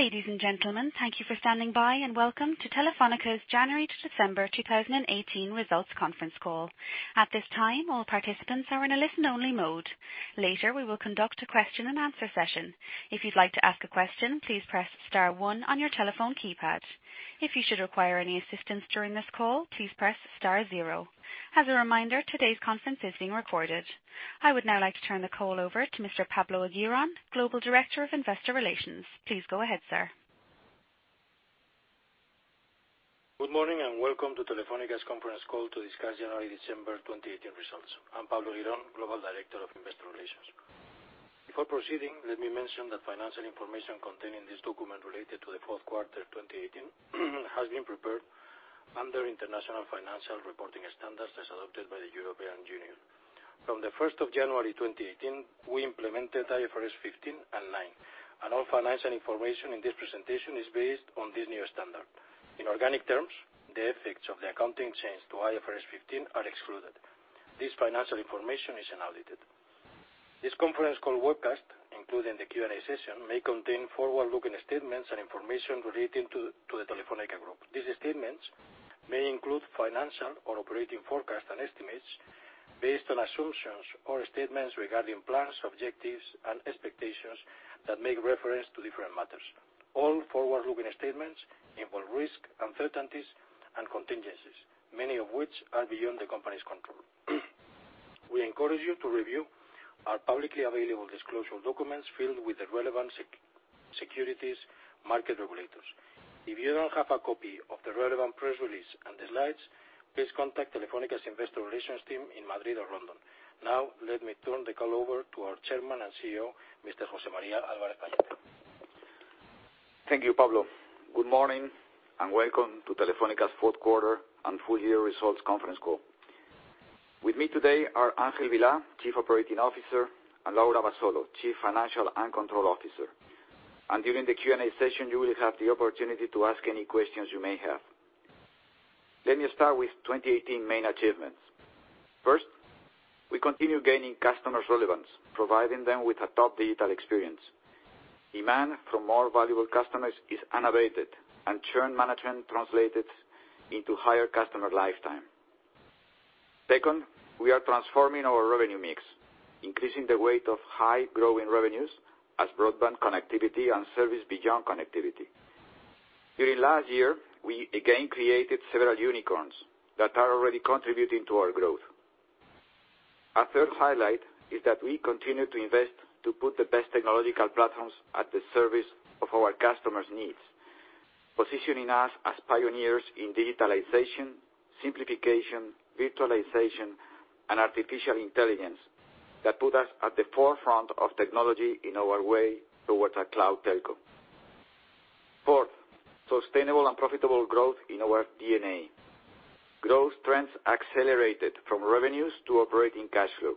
Ladies and gentlemen, thank you for standing by, and welcome to Telefónica's January to December 2018 results conference call. At this time, all participants are in a listen-only mode. Later, we will conduct a question-and-answer session. If you'd like to ask a question, please press star one on your telephone keypad. If you should require any assistance during this call, please press star zero. As a reminder, today's conference is being recorded. I would now like to turn the call over to Mr. Pablo Eguirón, Global Director of Investor Relations. Please go ahead, sir. Good morning, welcome to Telefónica's conference call to discuss January/December 2018 results. I'm Pablo Eguirón, Global Director of Investor Relations. Before proceeding, let me mention that financial information contained in this document related to the fourth quarter of 2018 has been prepared under International Financial Reporting Standards as adopted by the European Union. From the 1st of January 2018, we implemented IFRS 15 and 9. All financial information in this presentation is based on this new standard. In organic terms, the effects of the accounting change to IFRS 15 are excluded. This financial information is unaudited. This conference call webcast, including the Q&A session, may contain forward-looking statements and information relating to the Telefónica Group. These statements may include financial or operating forecasts and estimates based on assumptions or statements regarding plans, objectives, and expectations that make reference to different matters. All forward-looking statements involve risks, uncertainties, and contingencies, many of which are beyond the Company's control. We encourage you to review our publicly available disclosure documents filed with the relevant securities market regulators. If you don't have a copy of the relevant press release and the slides, please contact Telefónica's Investor Relations team in Madrid or London. Now, let me turn the call over to our Chairman and CEO, Mr. José María Álvarez-Pallete. Thank you, Pablo. Good morning, welcome to Telefónica's fourth quarter and full year results conference call. With me today are Ángel Vilá, Chief Operating Officer, and Laura Abasolo, Chief Financial and Control Officer. During the Q&A session, you will have the opportunity to ask any questions you may have. Let me start with 2018 main achievements. First, we continue gaining customers relevance, providing them with a top digital experience. Demand from more valuable customers is unabated and churn management translated into higher customer lifetime. Second, we are transforming our revenue mix, increasing the weight of high growing revenues as broadband connectivity and service beyond connectivity. During last year, we again created several unicorns that are already contributing to our growth. Our third highlight is that we continue to invest to put the best technological platforms at the service of our customers' needs, positioning us as pioneers in digitalization, simplification, virtualization, and artificial intelligence that put us at the forefront of technology in our way towards a cloud telco. Fourth, sustainable and profitable growth in our DNA. Growth trends accelerated from revenues to operating cash flow,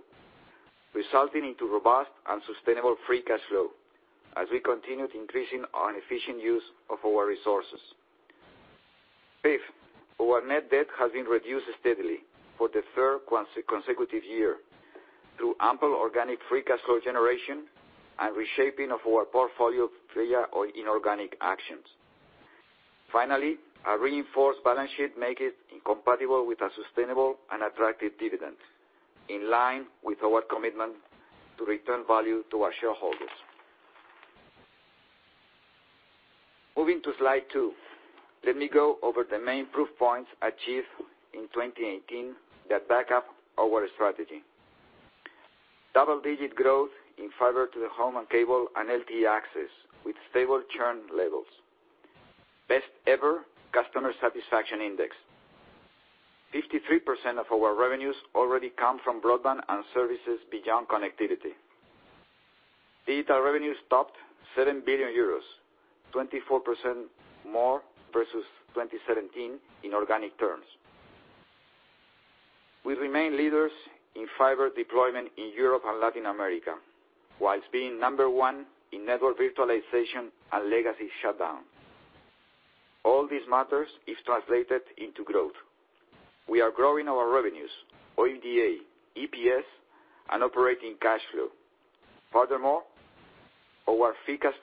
resulting into robust and sustainable free cash flow as we continued increasing our efficient use of our resources. Fifth, our net debt has been reduced steadily for the third consecutive year through ample organic free cash flow generation and reshaping of our portfolio via inorganic actions. Finally, a reinforced balance sheet make it incompatible with a sustainable and attractive dividend, in line with our commitment to return value to our shareholders. Moving to slide two. Let me go over the main proof points achieved in 2018 that back up our strategy. Double-digit growth in fiber to the home and cable and LTE access with stable churn levels. Best ever customer satisfaction index. 53% of our revenues already come from broadband and services beyond connectivity. Data revenues topped EUR 7 billion, 24% more versus 2017 in organic terms. We remain leaders in fiber deployment in Europe and Latin America, whilst being number one in network virtualization and legacy shutdown. All these matters is translated into growth. We are growing our revenues, OIBDA, EPS, and operating cash flow. Furthermore, our free cash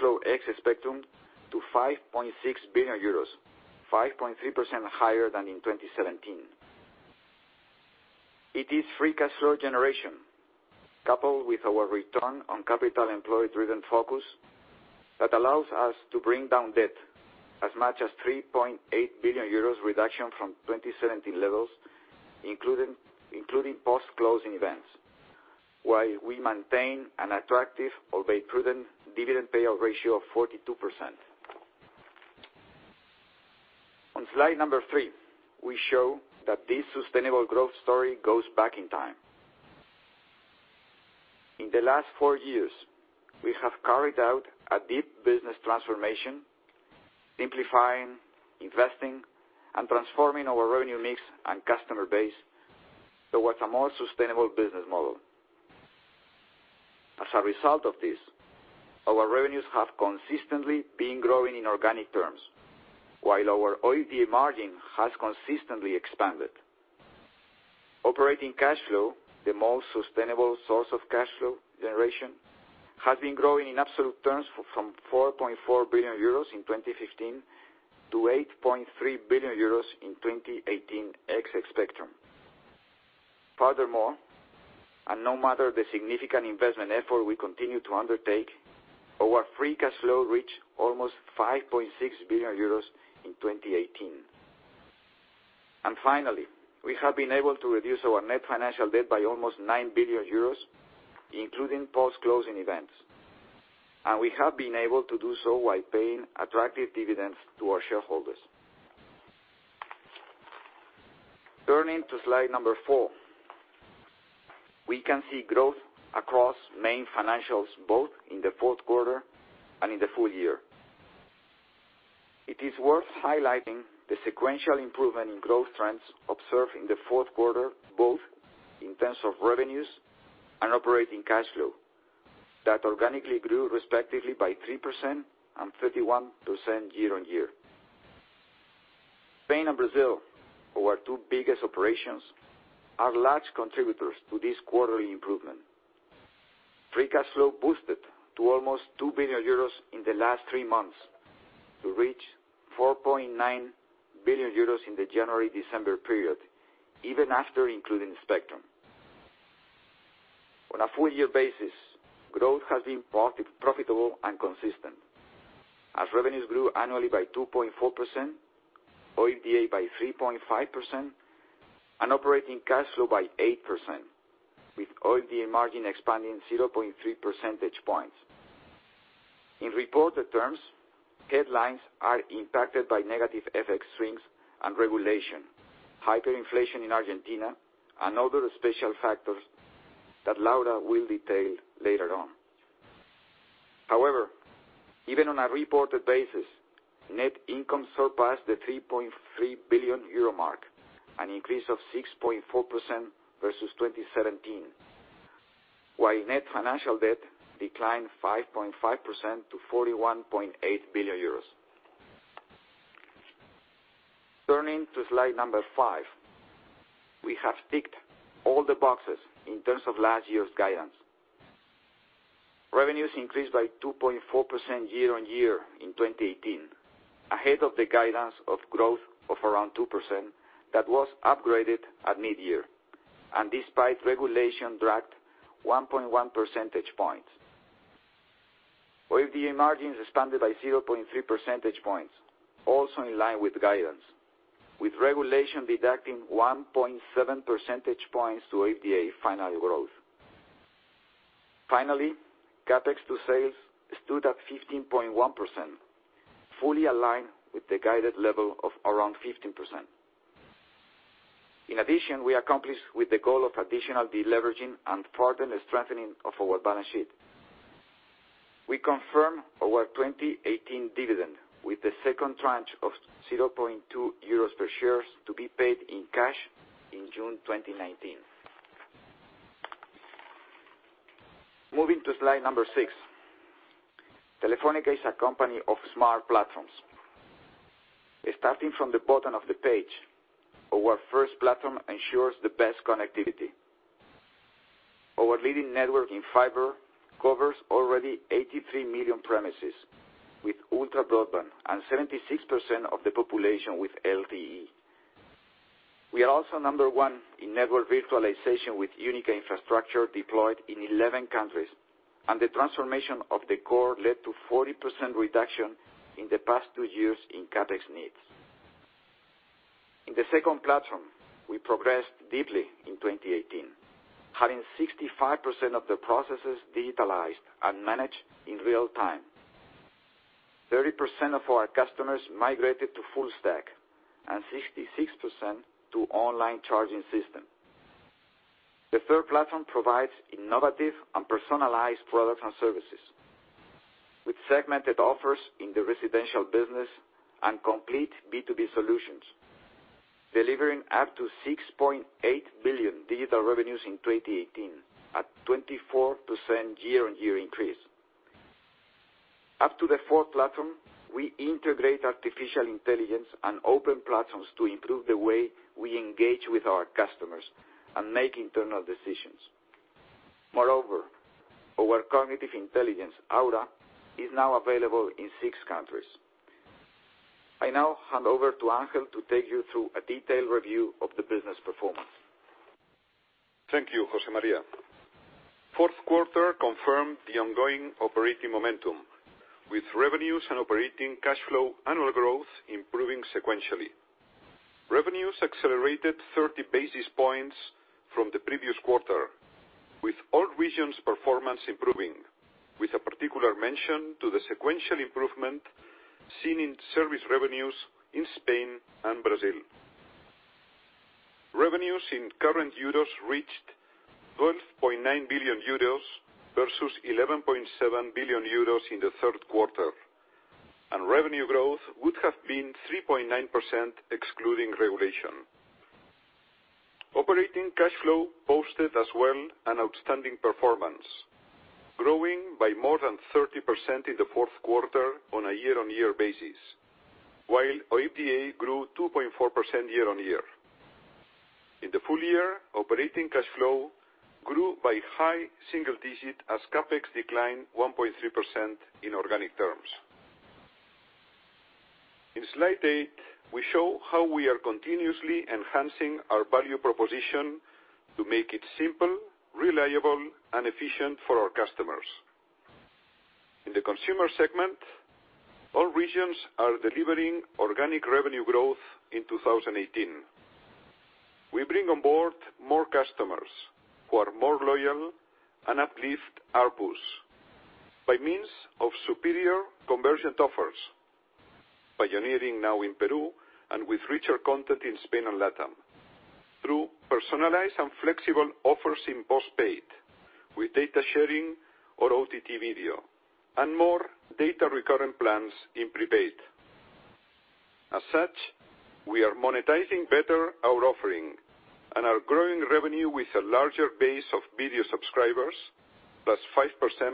flow exits spectrum to 5.6 billion euros, 5.3% higher than in 2017. It is free cash flow generation, coupled with our return on capital employee-driven focus, that allows us to bring down debt as much as 3.8 billion euros reduction from 2017 levels, including post-closing events, while we maintain an attractive, albeit prudent, dividend payout ratio of 42%. On slide number three, we show that this sustainable growth story goes back in time. In the last four years, we have carried out a deep business transformation, simplifying, investing, and transforming our revenue mix and customer base towards a more sustainable business model. As a result of this, our revenues have consistently been growing in organic terms, while our OIBDA margin has consistently expanded. Operating cash flow, the most sustainable source of cash flow generation, has been growing in absolute terms from 4.4 billion euros in 2015 to 8.3 billion euros in 2018, ex spectrum. Furthermore, no matter the significant investment effort we continue to undertake, our free cash flow reached almost 5.6 billion euros in 2018. Finally, we have been able to reduce our net financial debt by almost 9 billion euros, including post-closing events. We have been able to do so while paying attractive dividends to our shareholders. Turning to slide number four. We can see growth across main financials both in the fourth quarter and in the full year. It is worth highlighting the sequential improvement in growth trends observed in the fourth quarter, both in terms of revenues and operating cash flow, that organically grew respectively by 3% and 31% year-on-year. Spain and Brazil, our two biggest operations, are large contributors to this quarterly improvement. Free cash flow boosted to almost 2 billion euros in the last three months to reach 4.9 billion euros in the January-December period, even after including spectrum. On a full year basis, growth has been profitable and consistent as revenues grew annually by 2.4%, OIBDA by 3.5%, and operating cash flow by 8%, with OIBDA margin expanding 0.3 percentage points. In reported terms, headlines are impacted by negative FX swings and regulation, hyperinflation in Argentina, and other special factors that Laura will detail later on. However, even on a reported basis, net income surpassed the 3.3 billion euro mark, an increase of 6.4% versus 2017. While net financial debt declined 5.5% to EUR 41.8 billion. Turning to slide number 5. We have ticked all the boxes in terms of last year's guidance. Revenues increased by 2.4% year-on-year in 2018, ahead of the guidance of growth of around 2% that was upgraded at mid-year, and despite regulation dragged 1.1 percentage points. OIBDA margins expanded by 0.3 percentage points, also in line with guidance, with regulation deducting 1.7 percentage points to OIBDA final growth. Finally, CapEx to sales stood at 15.1%, fully aligned with the guided level of around 15%. In addition, we accomplished with the goal of additional de-leveraging and further strengthening of our balance sheet. We confirm our 2018 dividend with the second tranche of 0.2 euros per share to be paid in cash in June 2019. Moving to slide number 6. Telefónica is a company of smart platforms. Starting from the bottom of the page, our first platform ensures the best connectivity. Our leading network in fiber covers already 83 million premises with ultra broadband and 76% of the population with LTE. We are also number one in network virtualization, with unique infrastructure deployed in 11 countries, and the transformation of the core led to 40% reduction in the past two years in CapEx needs. In the second platform, we progressed deeply in 2018, having 65% of the processes digitalized and managed in real time. 30% of our customers migrated to full stack and 66% to online charging system. The third platform provides innovative and personalized products and services with segmented offers in the residential business and complete B2B solutions, delivering up to 6.8 billion digital revenues in 2018 at 24% year-on-year increase. Up to the fourth platform, we integrate artificial intelligence and open platforms to improve the way we engage with our customers and make internal decisions. Moreover, our cognitive intelligence, Aura, is now available in six countries. I now hand over to Ángel to take you through a detailed review of the business performance. Thank you, José María. fourth quarter confirmed the ongoing operating momentum with revenues and operating cash flow annual growth improving sequentially. Revenues accelerated 30 basis points from the previous quarter, with all regions' performance improving, with a particular mention to the sequential improvement seen in service revenues in Spain and Brazil. Revenues in current EUR reached 12.9 billion euros versus 11.7 billion euros in the third quarter, and revenue growth would have been 3.9% excluding regulation. Operating cash flow posted as well an outstanding performance. Growing by more than 30% in the fourth quarter on a year-on-year basis, while OIBDA grew 2.4% year-on-year. In the full year, operating cash flow grew by high single digit as CapEx declined 1.3% in organic terms. In slide eight, we show how we are continuously enhancing our value proposition to make it simple, reliable, and efficient for our customers. In the consumer segment, all regions are delivering organic revenue growth in 2018. We bring on board more customers who are more loyal and uplift ARPUs by means of superior convergent offers, pioneering now in Peru and with richer content in Spain and Latam through personalized and flexible offers in postpaid with data sharing or OTT video and more data recurrent plans in prepaid. As such, we are monetizing better our offering and are growing revenue with a larger base of video subscribers, plus 5%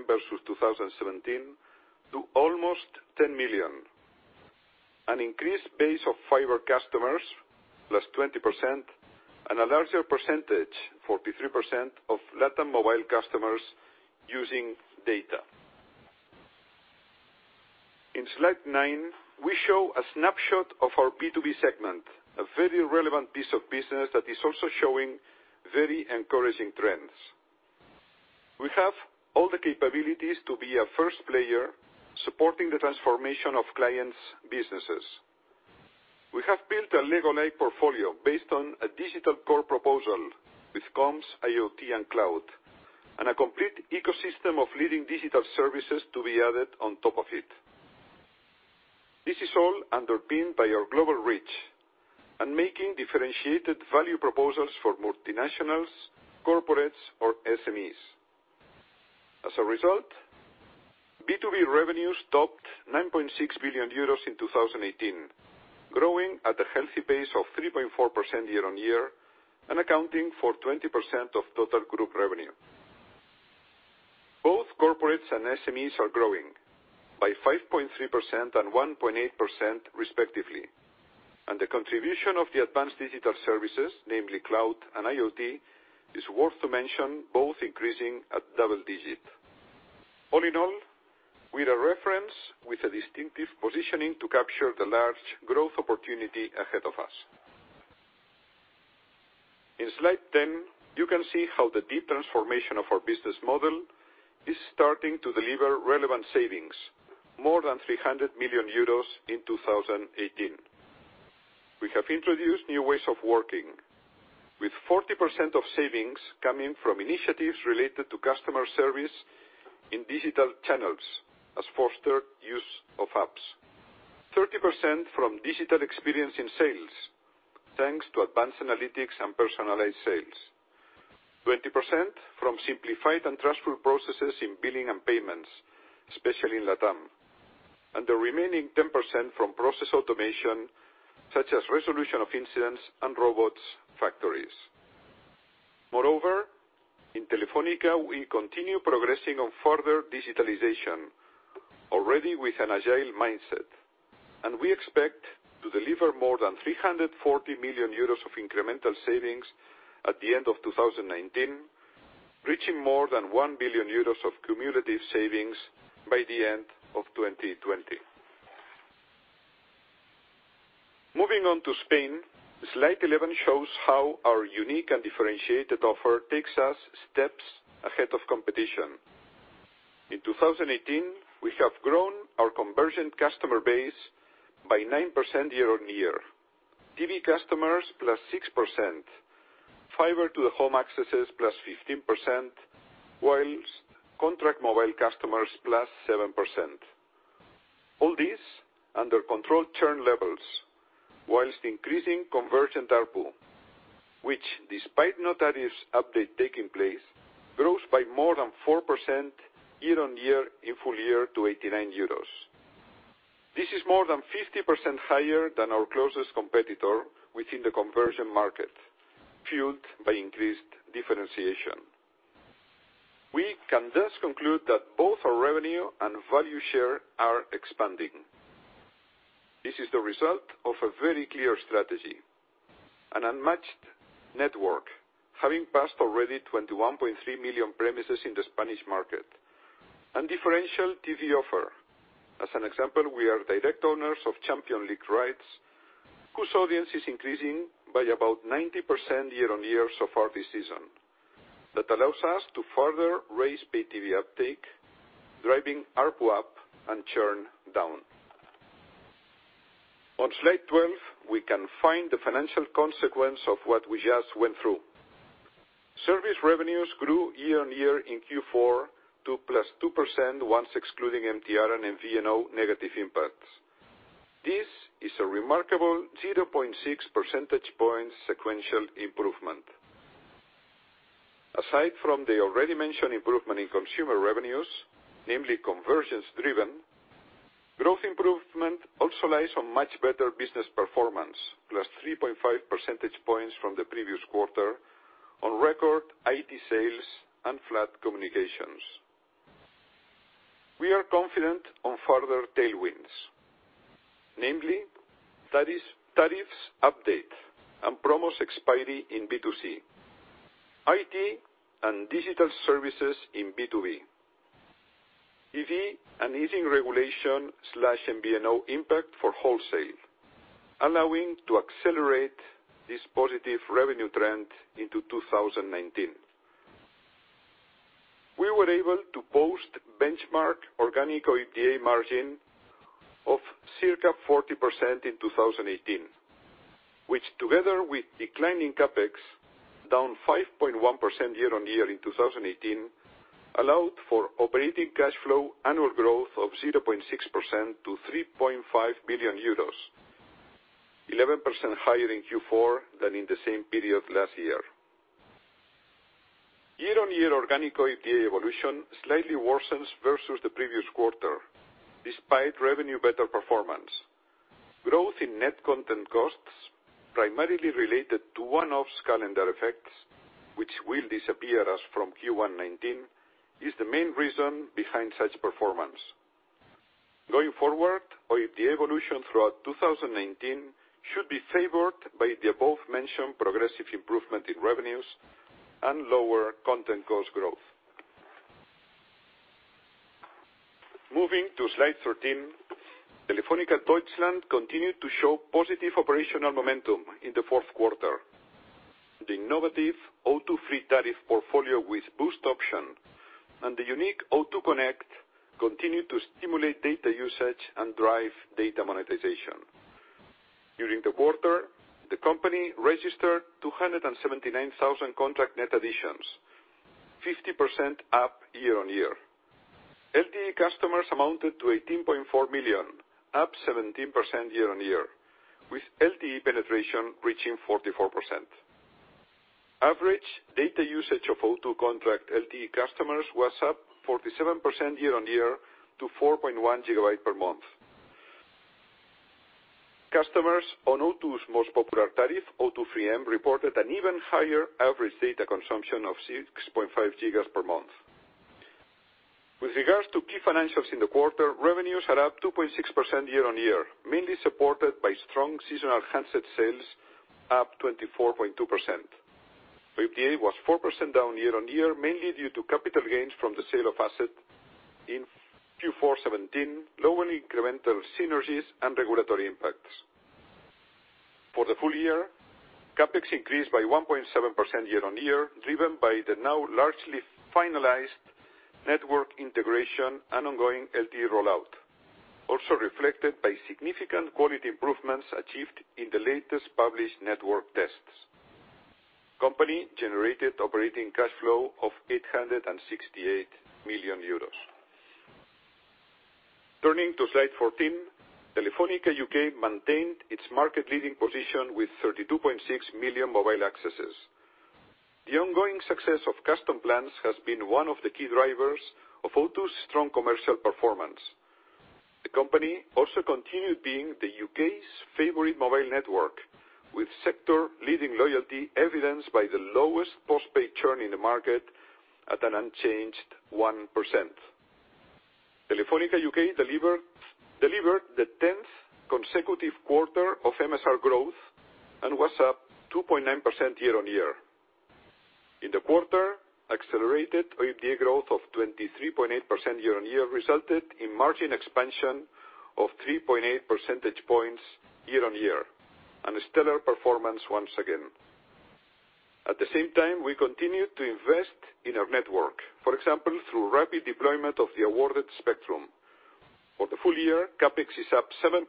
versus 2017 to almost 10 million. An increased base of fiber customers plus 20%, and a larger percentage, 43%, of Latam mobile customers using data. In slide nine, we show a snapshot of our B2B segment, a very relevant piece of business that is also showing very encouraging trends. We have all the capabilities to be a first player supporting the transformation of clients' businesses. We have built a Lego-like portfolio based on a digital core proposal with comms, IoT, and cloud, and a complete ecosystem of leading digital services to be added on top of it. This is all underpinned by our global reach and making differentiated value proposals for multinationals, corporates, or SMEs. As a result, B2B revenues topped 9.6 billion euros in 2018, growing at a healthy pace of 3.4% year-on-year and accounting for 20% of total group revenue. Both corporates and SMEs are growing by 5.3% and 1.8% respectively, and the contribution of the advanced digital services, namely cloud and IoT, is worth to mention, both increasing at double digit. All in all, we are reference with a distinctive positioning to capture the large growth opportunity ahead of us. In slide 10, you can see how the deep transformation of our business model is starting to deliver relevant savings, more than 300 million euros in 2018. We have introduced new ways of working, with 40% of savings coming from initiatives related to customer service in digital channels as fostered use of apps. 30% from digital experience in sales, thanks to advanced analytics and personalized sales. 20% from simplified and transfer processes in billing and payments, especially in Latam. The remaining 10% from process automation such as resolution of incidents and robots factories. Moreover, in Telefónica, we continue progressing on further digitalization already with an agile mindset, and we expect to deliver more than 340 million euros of incremental savings at the end of 2019, reaching more than 1 billion euros of cumulative savings by the end of 2020. Moving on to Spain, Slide 11 shows how our unique and differentiated offer takes us steps ahead of competition. In 2018, we have grown our convergent customer base by 9% year-on-year. TV customers plus 6%, Fiber to the home accesses plus 15%, whilst contract mobile customers plus 7%. All this under control churn levels, whilst increasing convergent ARPU, which despite tariffs update taking place, grows by more than 4% year-on-year in full year to 89 euros. This is more than 50% higher than our closest competitor within the convergent market, fueled by increased differentiation. We can conclude that both our revenue and value share are expanding. This is the result of a very clear strategy, an unmatched network, having passed already 21.3 million premises in the Spanish market, and differential TV offer. As an example, we are direct owners of Champions League rights, whose audience is increasing by about 90% year-on-year so far this season. That allows us to further raise Pay TV uptake, driving ARPU up and churn down. On Slide 12, we can find the financial consequence of what we just went through. Service revenues grew year-on-year in Q4 to plus 2% once excluding MTR and MVNO negative impacts. This is a remarkable 0.6 percentage points sequential improvement. Aside from the already mentioned improvement in consumer revenues, namely convergence-driven growth improvement also lies on much better business performance, plus 3.5 percentage points from the previous quarter on record IT sales and flat communications. We are confident on further tailwinds, namely, tariffs update and promos expiry in B2C, IT and digital services in B2B, EV and easing regulation/MVNO impact for wholesale, allowing to accelerate this positive revenue trend into 2019. We were able to post benchmark organic OIBDA margin of circa 40% in 2018, which together with declining CapEx, down 5.1% year-on-year in 2018, allowed for operating cash flow annual growth of 0.6% to 3.5 billion euros, 11% higher in Q4 than in the same period last year. Year-on-year organic OIBDA evolution slightly worsens versus the previous quarter, despite revenue better performance. Growth in net content costs, primarily related to one-offs calendar effects, which will disappear as from Q1 2019, is the main reason behind such performance. Going forward, OIBDA evolution throughout 2019 should be favored by the above-mentioned progressive improvement in revenues and lower content cost growth. Moving to Slide 13, Telefónica Deutschland continued to show positive operational momentum in the fourth quarter. The innovative O2 Free tariff portfolio with Boost option and the unique O2 Connect continued to stimulate data usage and drive data monetization. During the quarter, the company registered 279,000 contract net additions, 50% up year-on-year. LTE customers amounted to 18.4 million, up 17% year-on-year, with LTE penetration reaching 44%. Average data usage of O2 contract LTE customers was up 47% year-on-year to 4.1 gigabyte per month. Customers on O2's most popular tariff, O2 Free M, reported an even higher average data consumption of 6.5 GB per month. With regards to key financials in the quarter, revenues are up 2.6% year-on-year, mainly supported by strong seasonal handset sales, up 24.2%. OIBDA was 4% down year-on-year, mainly due to capital gains from the sale of asset in Q4 2017, lower incremental synergies, and regulatory impacts. For the full year, CapEx increased by 1.7% year-on-year, driven by the now largely finalized network integration and ongoing LTE rollout, also reflected by significant quality improvements achieved in the latest published network tests. Company generated operating cash flow of 868 million euros. Turning to Slide 14, Telefónica U.K. maintained its market leading position with 32.6 million mobile accesses. The ongoing success of custom plans has been one of the key drivers of O2's strong commercial performance. The company also continued being the U.K.'s favorite mobile network, with sector leading loyalty evidenced by the lowest postpaid churn in the market at an unchanged 1%. Telefónica U.K. delivered the 10th consecutive quarter of MSR growth and was up 2.9% year-on-year. In the quarter, accelerated OIBDA growth of 23.8% year-on-year resulted in margin expansion of 3.8 percentage points year-on-year, and a stellar performance once again. At the same time, we continued to invest in our network, for example, through rapid deployment of the awarded spectrum. For the full year, CapEx is up 7.1%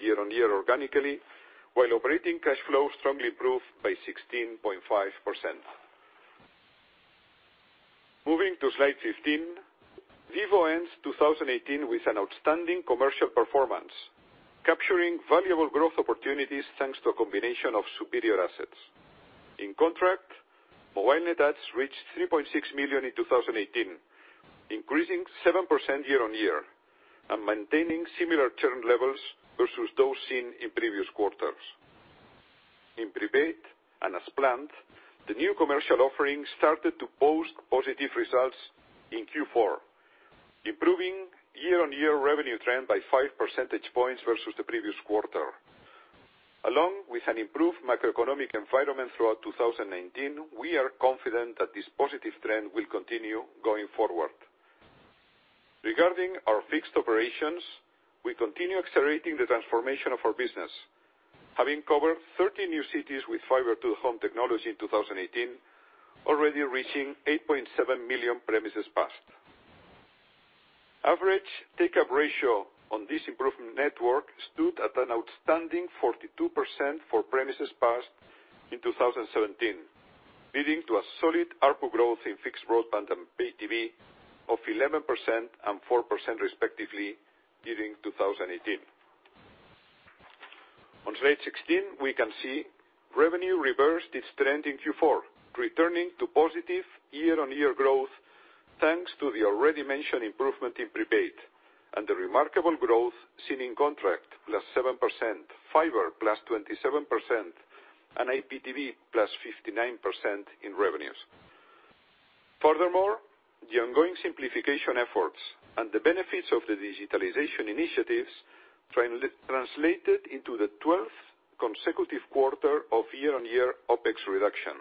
year-on-year organically, while operating cash flow strongly improved by 16.5%. Moving to Slide 15, Vivo ends 2018 with an outstanding commercial performance, capturing valuable growth opportunities thanks to a combination of superior assets. In contract, mobile net adds reached 3.6 million in 2018, increasing 7% year-on-year, and maintaining similar churn levels versus those seen in previous quarters. In prepaid and as planned, the new commercial offering started to post positive results in Q4, improving year-on-year revenue trend by 5 percentage points versus the previous quarter. Along with an improved macroeconomic environment throughout 2019, we are confident that this positive trend will continue going forward. Regarding our fixed operations, we continue accelerating the transformation of our business, having covered 30 new cities with Fiber to the home technology in 2018, already reaching 8.7 million premises passed. Average take-up ratio on this improved network stood at an outstanding 42% for premises passed in 2017, leading to a solid ARPU growth in fixed broadband and Pay TV of 11% and 4%, respectively, during 2018. On Slide 16, we can see revenue reversed its trend in Q4, returning to positive year-on-year growth, thanks to the already mentioned improvement in prepaid and the remarkable growth seen in contract, plus 7%, fiber plus 27%, and IPTV plus 59% in revenues. Furthermore, the ongoing simplification efforts and the benefits of the digitalization initiatives translated into the 12th consecutive quarter of year-on-year OPEX reduction.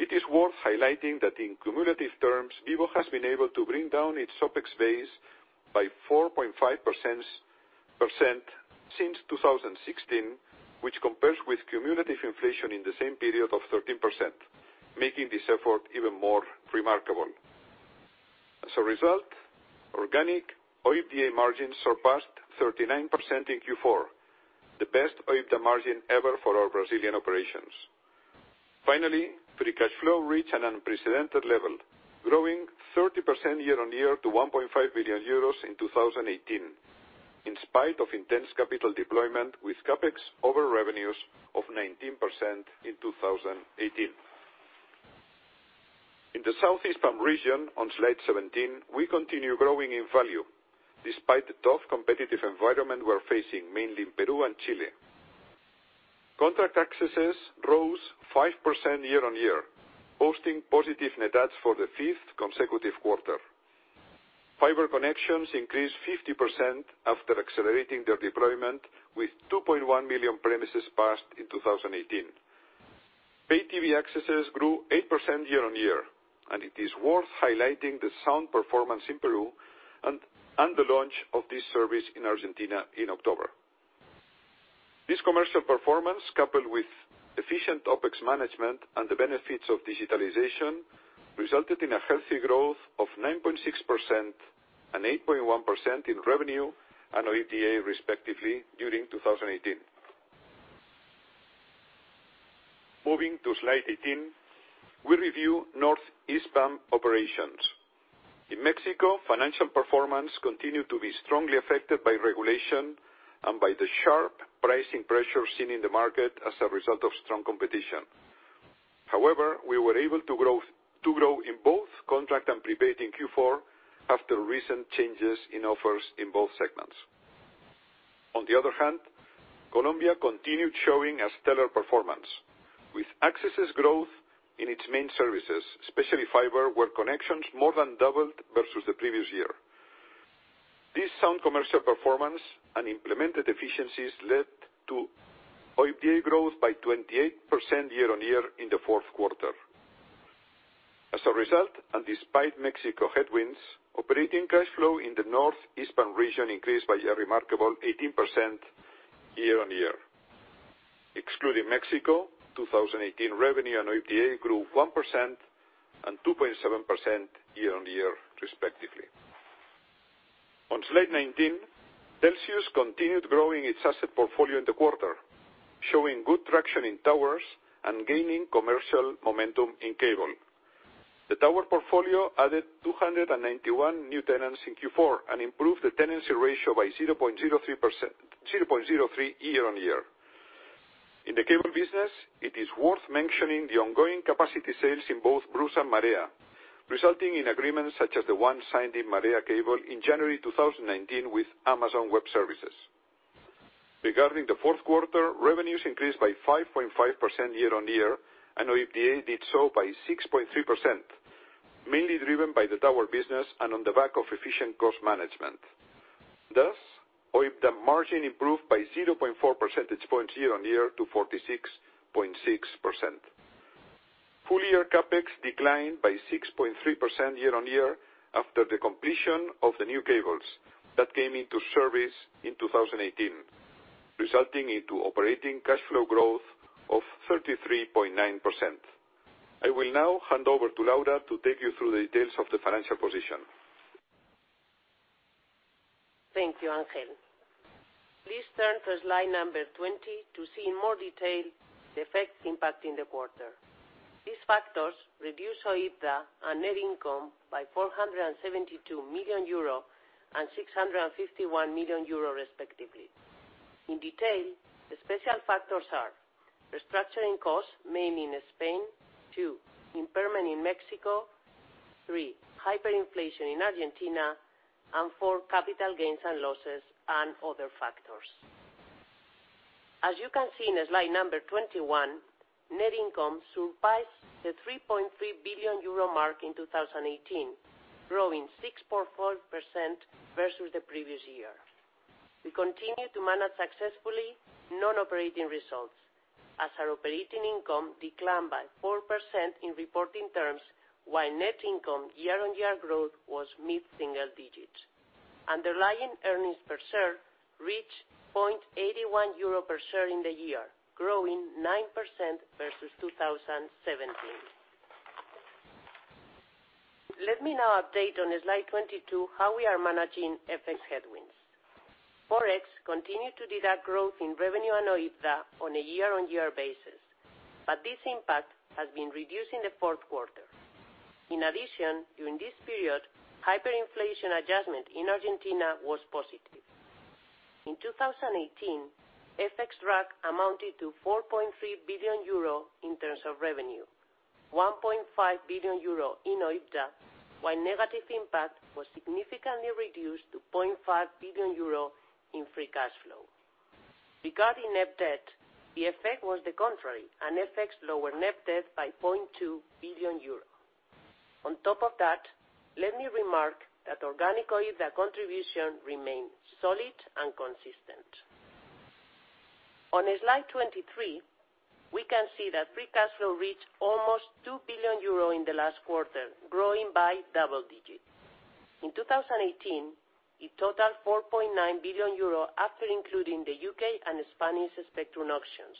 It is worth highlighting that in cumulative terms, Vivo has been able to bring down its OPEX base by 4.5% since 2016, which compares with cumulative inflation in the same period of 13%, making this effort even more remarkable. As a result, organic OIBDA margins surpassed 39% in Q4, the best OIBDA margin ever for our Brazilian operations. Finally, free cash flow reached an unprecedented level, growing 30% year-on-year to 1.5 billion euros in 2018, in spite of intense capital deployment with CapEx over revenues of 19% in 2018. In the Southeast BAM region, on Slide 17, we continue growing in value despite the tough competitive environment we're facing, mainly in Peru and Chile. Contract accesses rose 5% year-on-year, posting positive net adds for the fifth consecutive quarter. Fiber connections increased 50% after accelerating their deployment, with 2.1 million premises passed in 2018. Pay TV accesses grew 8% year-on-year, and it is worth highlighting the sound performance in Peru and the launch of this service in Argentina in October. This commercial performance, coupled with efficient OPEX management and the benefits of digitalization, resulted in a healthy growth of 9.6% and 8.1% in revenue and OIBDA, respectively, during 2018. Moving to slide 18, we review Northeast BAM operations. In Mexico, financial performance continued to be strongly affected by regulation and by the sharp pricing pressure seen in the market as a result of strong competition. We were able to grow in both contract and prepaid in Q4 after recent changes in offers in both segments. Colombia continued showing a stellar performance with accesses growth in its main services, especially fiber, where connections more than doubled versus the previous year. This sound commercial performance and implemented efficiencies led to OIBDA growth by 28% year-on-year in the fourth quarter. Despite Mexico headwinds, operating cash flow in the North Eastern region increased by a remarkable 18% year-on-year. Excluding Mexico, 2018 revenue and OIBDA grew 1% and 2.7% year-on-year respectively. On slide 19, Telxius continued growing its asset portfolio in the quarter, showing good traction in towers and gaining commercial momentum in cable. The tower portfolio added 291 new tenants in Q4 and improved the tenancy ratio by 0.03 year-on-year. In the cable business, it is worth mentioning the ongoing capacity sales in both BRUSA and MAREA, resulting in agreements such as the one signed in MAREA Cable in January 2019 with Amazon Web Services. Regarding the fourth quarter, revenues increased by 5.5% year-on-year, and OIBDA did so by 6.3%, mainly driven by the tower business and on the back of efficient cost management. OIBDA margin improved by 0.4 percentage points year-on-year to 46.6%. Full-year CapEx declined by 6.3% year-on-year after the completion of the new cables that came into service in 2018, resulting into operating cash flow growth of 33.9%. I will now hand over to Laura to take you through the details of the financial position. Thank you, Ángel. Please turn to slide number 20 to see in more detail the effects impacting the quarter. These factors reduced our OIBDA and net income by €472 million and €651 million respectively. The special factors are restructuring costs, mainly in Spain. Two, impairment in Mexico. Three, hyperinflation in Argentina. Four, capital gains and losses and other factors. In slide number 21, net income surpassed the €3.3 billion mark in 2018, growing 6.4% versus the previous year. We continue to manage successfully non-operating results as our operating income declined by 4% in reporting terms, while net income year-on-year growth was mid-single digits. Underlying earnings per share reached €0.81 per share in the year, growing 9% versus 2017. Let me now update on slide 22 how we are managing FX headwinds. Forex continued to deduct growth in revenue and OIBDA on a year-on-year basis, but this impact has been reduced in the fourth quarter. In addition, during this period, hyperinflation adjustment in Argentina was positive. In 2018, FX drag amounted to 4.3 billion euro in terms of revenue, 1.5 billion euro in OIBDA, while negative impact was significantly reduced to 0.5 billion euro in free cash flow. Regarding net debt, the effect was the contrary, and FX lowered net debt by 0.2 billion euros. On top of that, let me remark that organic OIBDA contribution remained solid and consistent. On slide 23, we can see that free cash flow reached almost 2 billion euro in the last quarter, growing by double digits. In 2018, it totaled 4.9 billion euro after including the U.K. and Spanish spectrum auctions.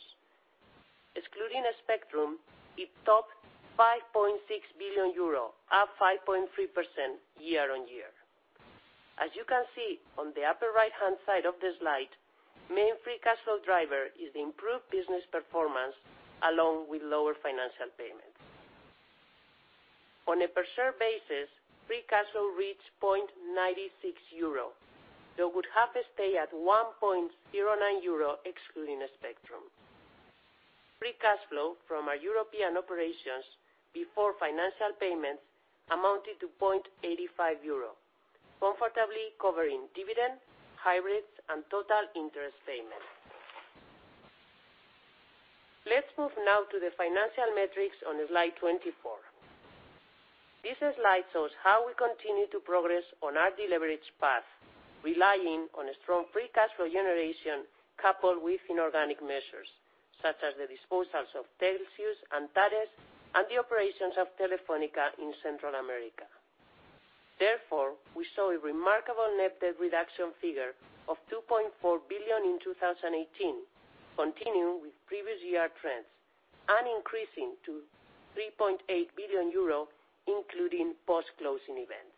Excluding spectrum, it topped 5.6 billion euro, up 5.3% year-on-year. You can see on the upper right-hand side of the slide, main free cash flow driver is improved business performance along with lower financial payments. On a per share basis, free cash flow reached 0.96 euro, that would have stayed at 1.09 euro excluding the spectrum. Free cash flow from our European operations before financial payments amounted to 0.85 euro, comfortably covering dividend, hybrids, and total interest payments. Let's move now to the financial metrics on slide 24. This slide shows how we continue to progress on our deleverage path, relying on strong free cash flow generation coupled with inorganic measures, such as the disposals of Telxius, Antares, and the operations of Telefónica in Central America. We saw a remarkable net debt reduction figure of 2.4 billion in 2018, continuing with previous year trends and increasing to 3.8 billion euro, including post-closing events.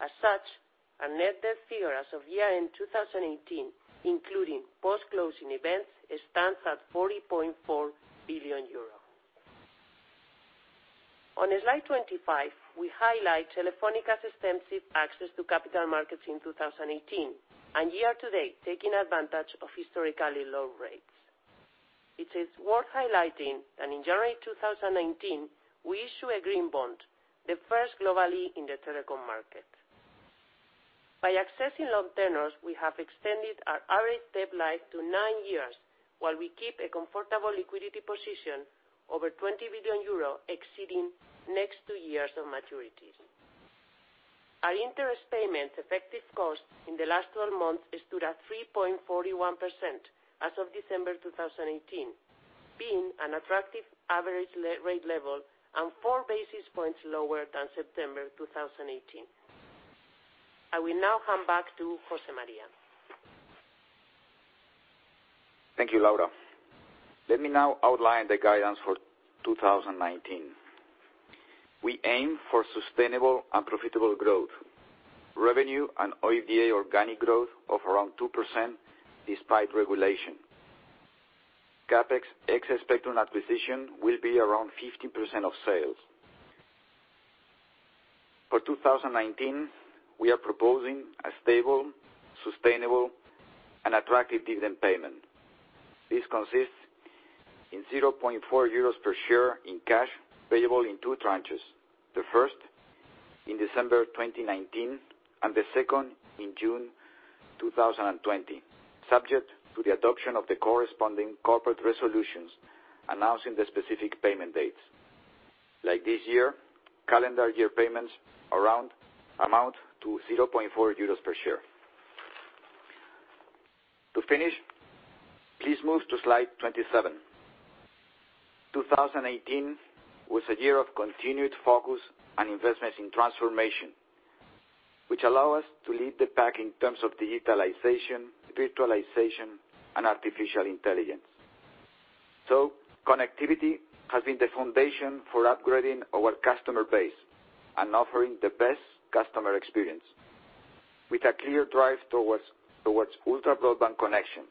Our net debt figure as of year-end 2018, including post-closing events, stands at 40.4 billion euros. On slide 25, we highlight Telefónica's extensive access to capital markets in 2018 and year to date, taking advantage of historically low rates. It is worth highlighting that in January 2019, we issued a green bond, the first globally in the telecom market. By accessing long tenors, we have extended our average debt life to nine years while we keep a comfortable liquidity position over 20 billion euro, exceeding next two years of maturities. Our interest payments effective cost in the last 12 months stood at 3.41% as of December 2018, being an attractive average rate level and four basis points lower than September 2018. I will now hand back to José María. Thank you, Laura. Let me now outline the guidance for 2019. We aim for sustainable and profitable growth, revenue and OIBDA organic growth of around 2% despite regulation. CapEx ex-spectrum acquisition will be around 15% of sales. For 2019, we are proposing a stable, sustainable, and attractive dividend payment. This consists in 0.4 euros per share in cash, payable in two tranches, the first in December 2019 and the second in June 2020, subject to the adoption of the corresponding corporate resolutions announcing the specific payment dates. Like this year, calendar year payments amount to 0.4 euros per share. To finish, please move to slide 27. 2018 was a year of continued focus on investments in transformation, which allow us to lead the pack in terms of digitalization, virtualization, and artificial intelligence. Connectivity has been the foundation for upgrading our customer base and offering the best customer experience, with a clear drive towards ultra-broadband connections.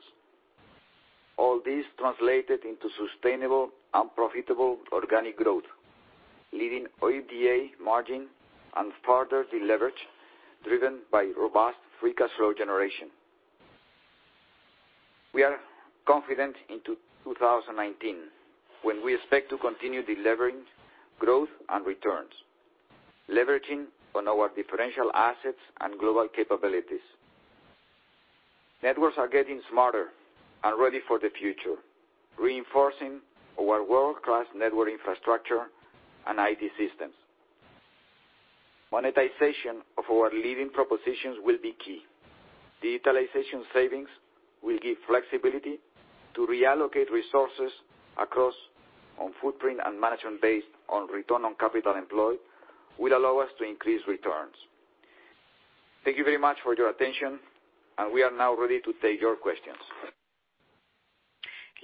All this translated into sustainable and profitable organic growth, leading OIBDA margin and further deleverage driven by robust free cash flow generation. We are confident into 2019, when we expect to continue delivering growth and returns, leveraging on our differential assets and global capabilities. Networks are getting smarter and ready for the future, reinforcing our world-class network infrastructure and IT systems. Monetization of our leading propositions will be key. Digitalization savings will give flexibility to reallocate resources across on footprint and management based on return on capital employed will allow us to increase returns. Thank you very much for your attention. We are now ready to take your questions.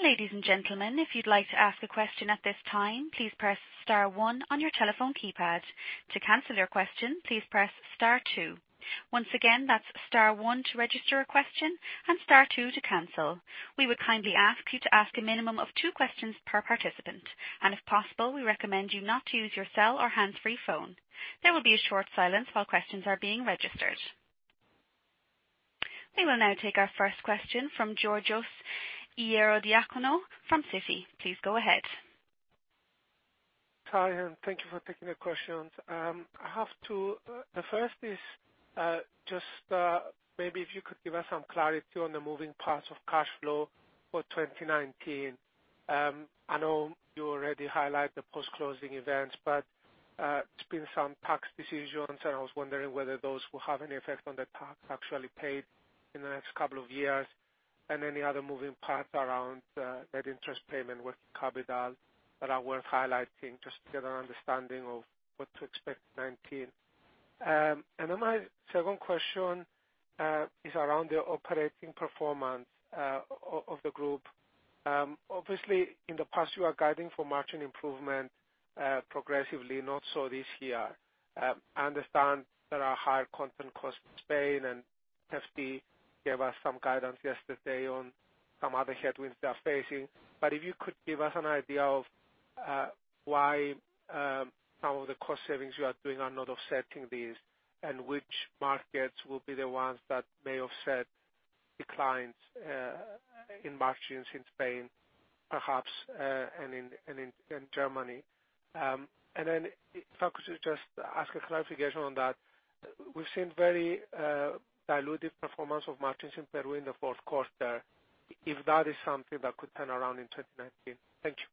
Ladies and gentlemen, if you'd like to ask a question at this time, please press star 1 on your telephone keypad. To cancel your question, please press star 2. Once again, that's star 1 to register a question, and star 2 to cancel. We would kindly ask you to ask a minimum of 2 questions per participant. If possible, we recommend you not to use your cell or hands-free phone. There will be a short silence while questions are being registered. We will now take our first question from Georgios Ierodiakonou from Citi. Please go ahead. Hi. Thank you for taking the questions. The first is just maybe if you could give us some clarity on the moving parts of cash flow for 2019. I know you already highlight the post-closing events, but there's been some tax decisions, and I was wondering whether those will have any effect on the tax actually paid in the next couple of years, and any other moving parts around that interest payment with Capital that are worth highlighting, just to get an understanding of what to expect 2019. My second question is around the operating performance of the group. Obviously, in the past, you are guiding for margin improvement progressively, not so this year. I understand there are higher content costs in Spain, and Hefty gave us some guidance yesterday on some other headwinds they are facing. If you could give us an idea of why some of the cost savings you are doing are not offsetting these, which markets will be the ones that may offset declines in margins in Spain, perhaps, and in Germany. If I could just ask a clarification on that. We've seen very dilutive performance of margins in Peru in the fourth quarter, if that is something that could turn around in 2019. Thank you.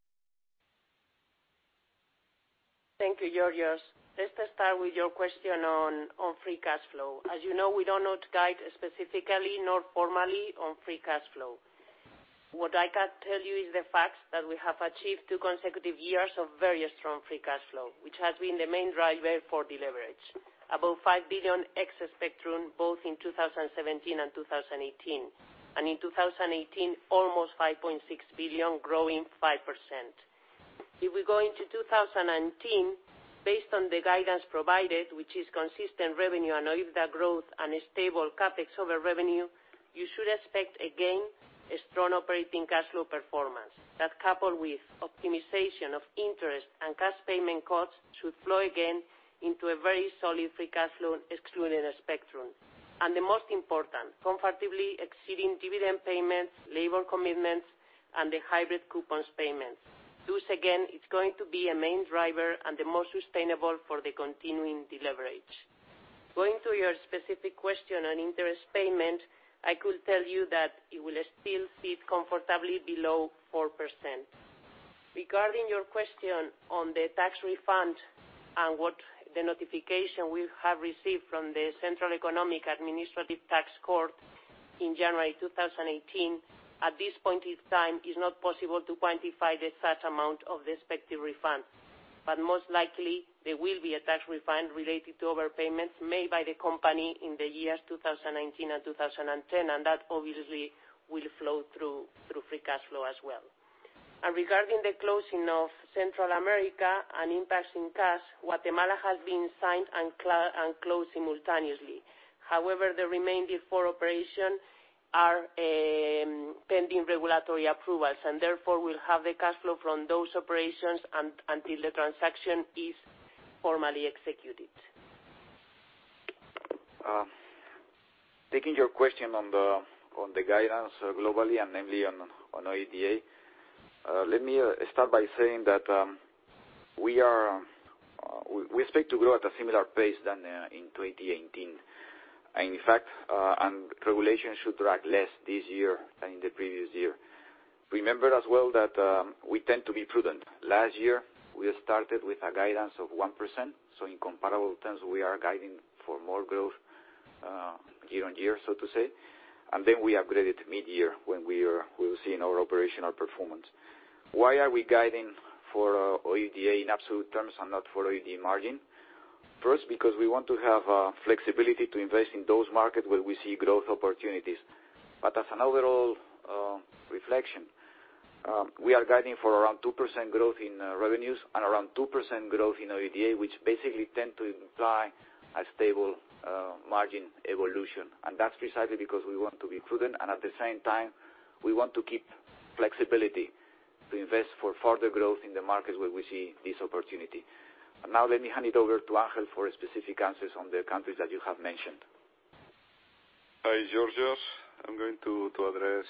Thank you, Georgios. Let's start with your question on free cash flow. As you know, we don't want to guide specifically nor formally on free cash flow. What I can tell you is the fact that we have achieved two consecutive years of very strong free cash flow, which has been the main driver for deleverage. About 5 billion excess spectrum, both in 2017 and 2018. In 2018, almost 5.6 billion growing 5%. If we go into 2019, based on the guidance provided, which is consistent revenue and OIBDA growth and a stable CapEx over revenue, you should expect, again, a strong operating cash flow performance. That coupled with optimization of interest and cash payment costs should flow again into a very solid free cash flow excluding the spectrum. The most important, comfortably exceeding dividend payments, labor commitments, and the hybrid coupons payments. Those, again, is going to be a main driver and the most sustainable for the continuing deleverage. Going to your specific question on interest payment, I could tell you that it will still sit comfortably below 4%. Regarding your question on the tax refund and what the notification we have received from the Central Economic-Administrative Tax Court in January 2018. At this point in time, it's not possible to quantify the exact amount of the respective refund. Most likely, there will be a tax refund related to overpayments made by the company in the years 2019 and 2010, and that obviously will flow through free cash flow as well. Regarding the closing of Central America and impact in cash, Guatemala has been signed and closed simultaneously. However, the remaining four operations are pending regulatory approvals, and therefore we'll have the cash flow from those operations until the transaction is formally executed. Taking your question on the guidance globally and namely on OIBDA. Let me start by saying that we expect to grow at a similar pace than in 2018. In fact, regulation should drag less this year than in the previous year. Remember as well that we tend to be prudent. Last year, we started with a guidance of 1%, so in comparable terms, we are guiding for more growth year-on-year, so to say. Then we upgraded mid-year when we will see in our operational performance. Why are we guiding for OIBDA in absolute terms and not for OIBDA margin? First, because we want to have flexibility to invest in those markets where we see growth opportunities. But as an overall reflection, we are guiding for around 2% growth in revenues and around 2% growth in OIBDA, which basically tend to imply a stable margin evolution. That's precisely because we want to be prudent, and at the same time, we want to keep flexibility to invest for further growth in the markets where we see this opportunity. Now let me hand it over to Ángel for specific answers on the countries that you have mentioned. Hi, Georgios. I'm going to address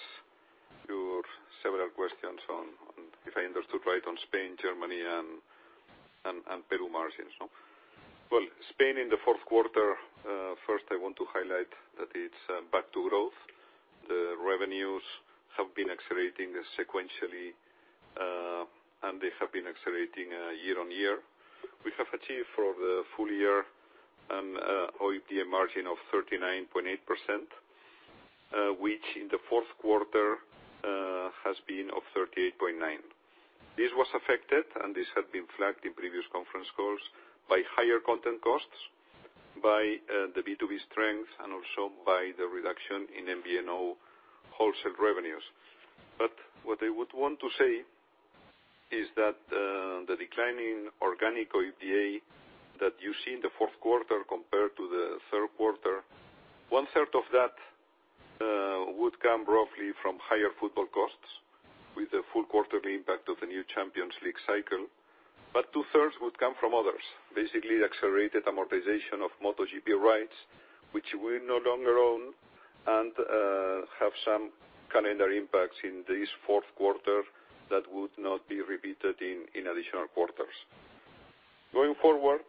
your several questions on, if I understood right, on Spain, Germany, and Peru margins. Spain in the fourth quarter, first I want to highlight that it's back to growth. The revenues have been accelerating sequentially, and they have been accelerating year-on-year. We have achieved for the full year an OIBDA margin of 39.8%, which in the fourth quarter has been of 38.9%. This was affected, and this had been flagged in previous conference calls, by higher content costs, by the B2B strength and also by the reduction in MVNO wholesale revenues. What I would want to say is that the declining organic OIBDA that you see in the fourth quarter compared to the third quarter, one-third of that would come roughly from higher football costs with the full quarter impact of the new Champions League cycle. Two-thirds would come from others, basically accelerated amortization of MotoGP rights, which we no longer own, and have some calendar impacts in this fourth quarter that would not be repeated in additional quarters. Going forward,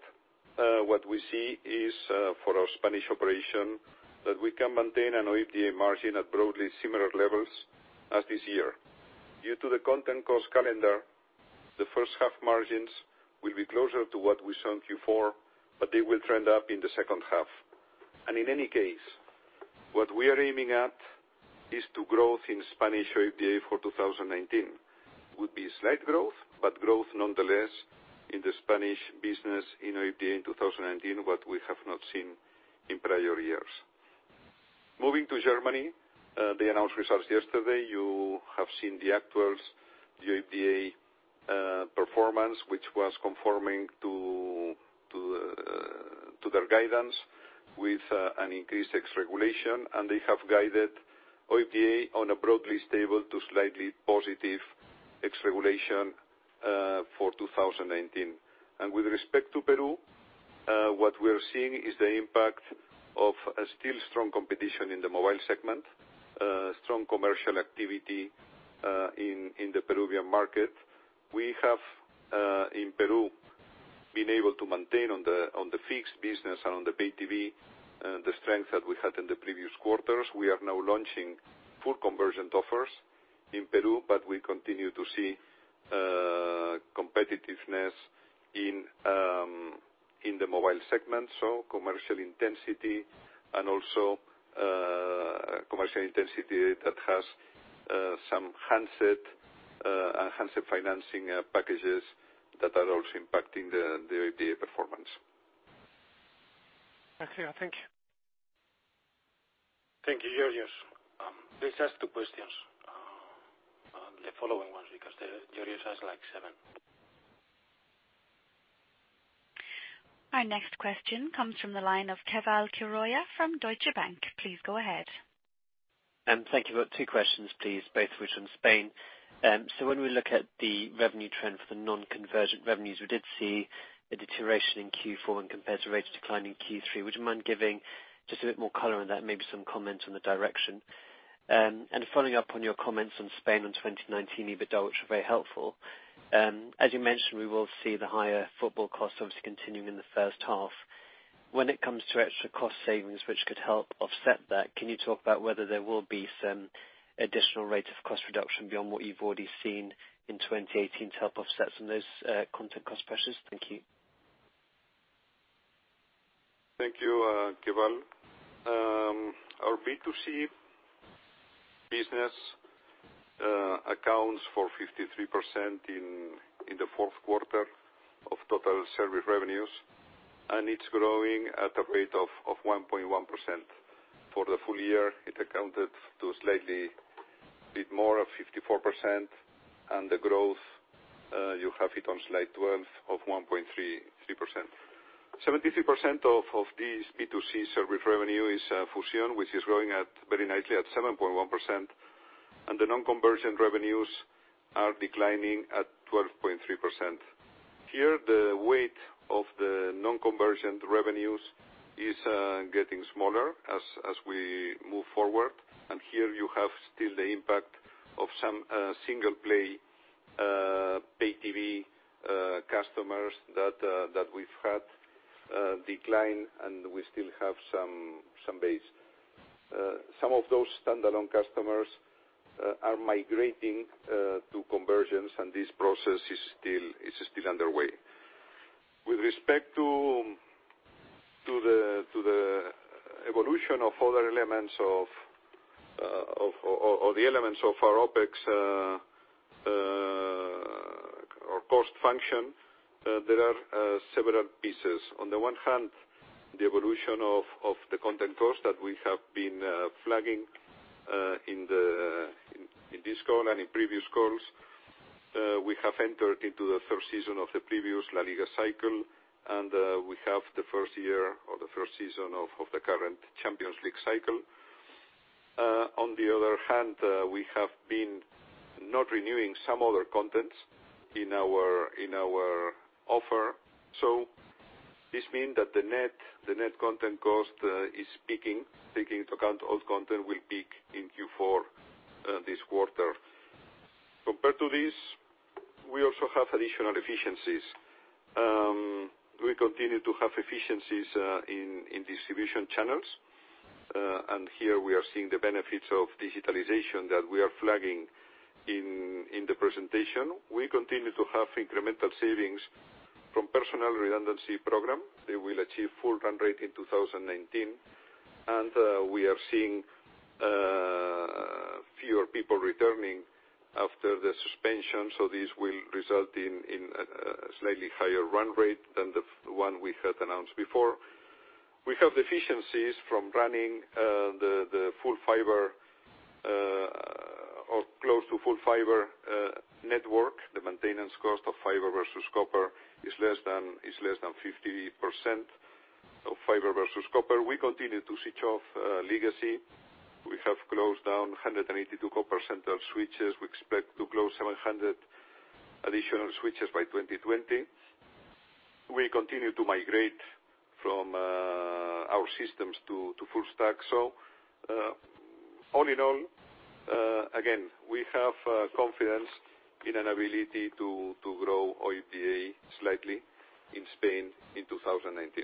what we see is for our Spanish operation, that we can maintain an OIBDA margin at broadly similar levels as this year. Due to the content cost calendar, the first half margins will be closer to what we saw in Q4, but they will trend up in the second half. In any case, what we are aiming at is to growth in Spanish OIBDA for 2019. Would be slight growth, but growth nonetheless in the Spanish business in OIBDA in 2019, what we have not seen in prior years. Moving to Germany, they announced results yesterday. You have seen the actuals OIBDA performance, which was conforming to their guidance with an increased ex regulation, and they have guided OIBDA on a broadly stable to slightly positive ex regulation for 2019. With respect to Peru, what we're seeing is the impact of a still strong competition in the mobile segment, strong commercial activity in the Peruvian market. We have, in Peru, been able to maintain on the fixed business and on the Pay TV, the strength that we had in the previous quarters. We are now launching full conversion offers in Peru, but we continue to see competitiveness in the mobile segment. Commercial intensity and also commercial intensity that has some handset financing packages that are also impacting the OIBDA performance. Thank you. Thank you, Georgios. Please ask the questions. The following ones, because Georgios asked seven. Our next question comes from the line of Keval Khiroya from Deutsche Bank. Please go ahead. Thank you. Two questions, please, both of which on Spain. When we look at the revenue trend for the non-convergent revenues, we did see a deterioration in Q4 when compared to rates decline in Q3. Would you mind giving just a bit more color on that, and maybe some comments on the direction? Following up on your comments on Spain on 2019 EBITDA, which were very helpful. As you mentioned, we will see the higher football costs obviously continuing in the first half. When it comes to extra cost savings, which could help offset that, can you talk about whether there will be some additional rate of cost reduction beyond what you've already seen in 2018 to help offset some of those content cost pressures? Thank you. Thank you, Keval. Our B2C business accounts for 53% in the fourth quarter of total service revenues, and it's growing at a rate of 1.1%. For the full year, it accounted to slightly bit more of 54%, and the growth, you have it on Slide 12 of 1.33%. 73% of this B2C service revenue is Fusión, which is growing very nicely at 7.1%, and the non-conversion revenues are declining at 12.3%. Here, the weight of the non-conversion revenues is getting smaller as we move forward, and here you have still the impact of some single-play pay TV customers that we've had decline, and we still have some base. Some of those standalone customers are migrating to conversions, and this process is still underway. With respect to the evolution of other elements of our OPEX or cost function, there are several pieces. On the one hand, the evolution of the content cost that we have been flagging in this call and in previous calls. We have entered into the first season of the previous La Liga cycle, and we have the first year or the first season of the current Champions League cycle. On the other hand, we have been not renewing some other contents in our offer. This mean that the net content cost is peaking. Taking into account all content will peak in Q4, this quarter. Compared to this, we also have additional efficiencies. We continue to have efficiencies in distribution channels. Here we are seeing the benefits of digitalization that we are flagging in the presentation. We continue to have incremental savings from personal redundancy program. They will achieve full run rate in 2019. We are seeing Your people returning after the suspension, this will result in a slightly higher run rate than the one we had announced before. We have efficiencies from running the full fiber or close to full fiber network. The maintenance cost of fiber versus copper is less than 50% of fiber versus copper. We continue to switch off legacy. We have closed down 182 copper center switches. We expect to close 700 additional switches by 2020. We continue to migrate from our systems to full stack. All in all, again, we have confidence in an ability to grow OIBDA slightly in Spain in 2019.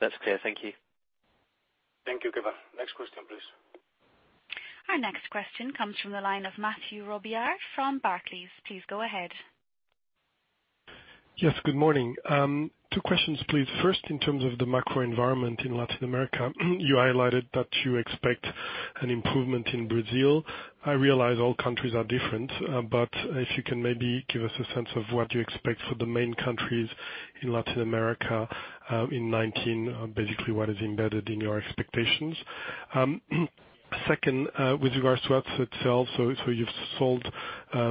That's clear. Thank you. Thank you, Keval. Next question, please. Our next question comes from the line of Mathieu Robilliard from Barclays. Please go ahead. Yes, good morning. Two questions, please. First, in terms of the macro environment in Latin America, you highlighted that you expect an improvement in Brazil. I realize all countries are different, but if you can maybe give us a sense of what you expect for the main countries in Latin America in 2019, basically what is embedded in your expectations. Second, with regards to assets itself, you've sold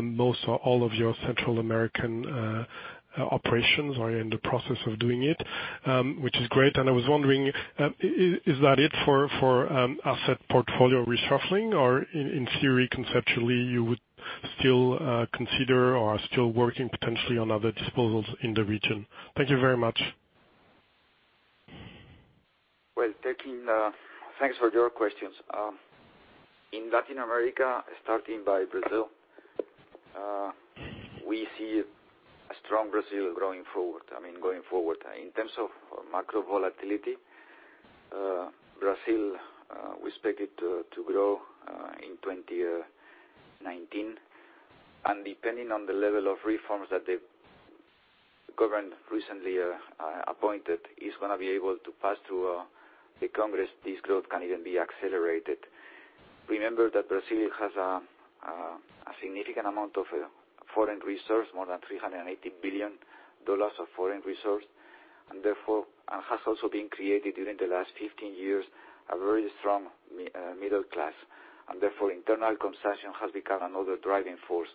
most or all of your Central American operations, are in the process of doing it, which is great. I was wondering, is that it for asset portfolio reshuffling? Or in theory, conceptually, you would still consider or are still working potentially on other disposals in the region? Thank you very much. Well, thanks for your questions. In Latin America, starting by Brazil, we see a strong Brazil going forward. In terms of macro volatility, Brazil, we expect it to grow in 2019. Depending on the level of reforms that the government recently appointed is going to be able to pass to the Congress, this growth can even be accelerated. Remember that Brazil has a significant amount of foreign reserves, more than $380 billion of foreign reserves, and has also been created during the last 15 years, a very strong middle class. Therefore internal consumption has become another driving force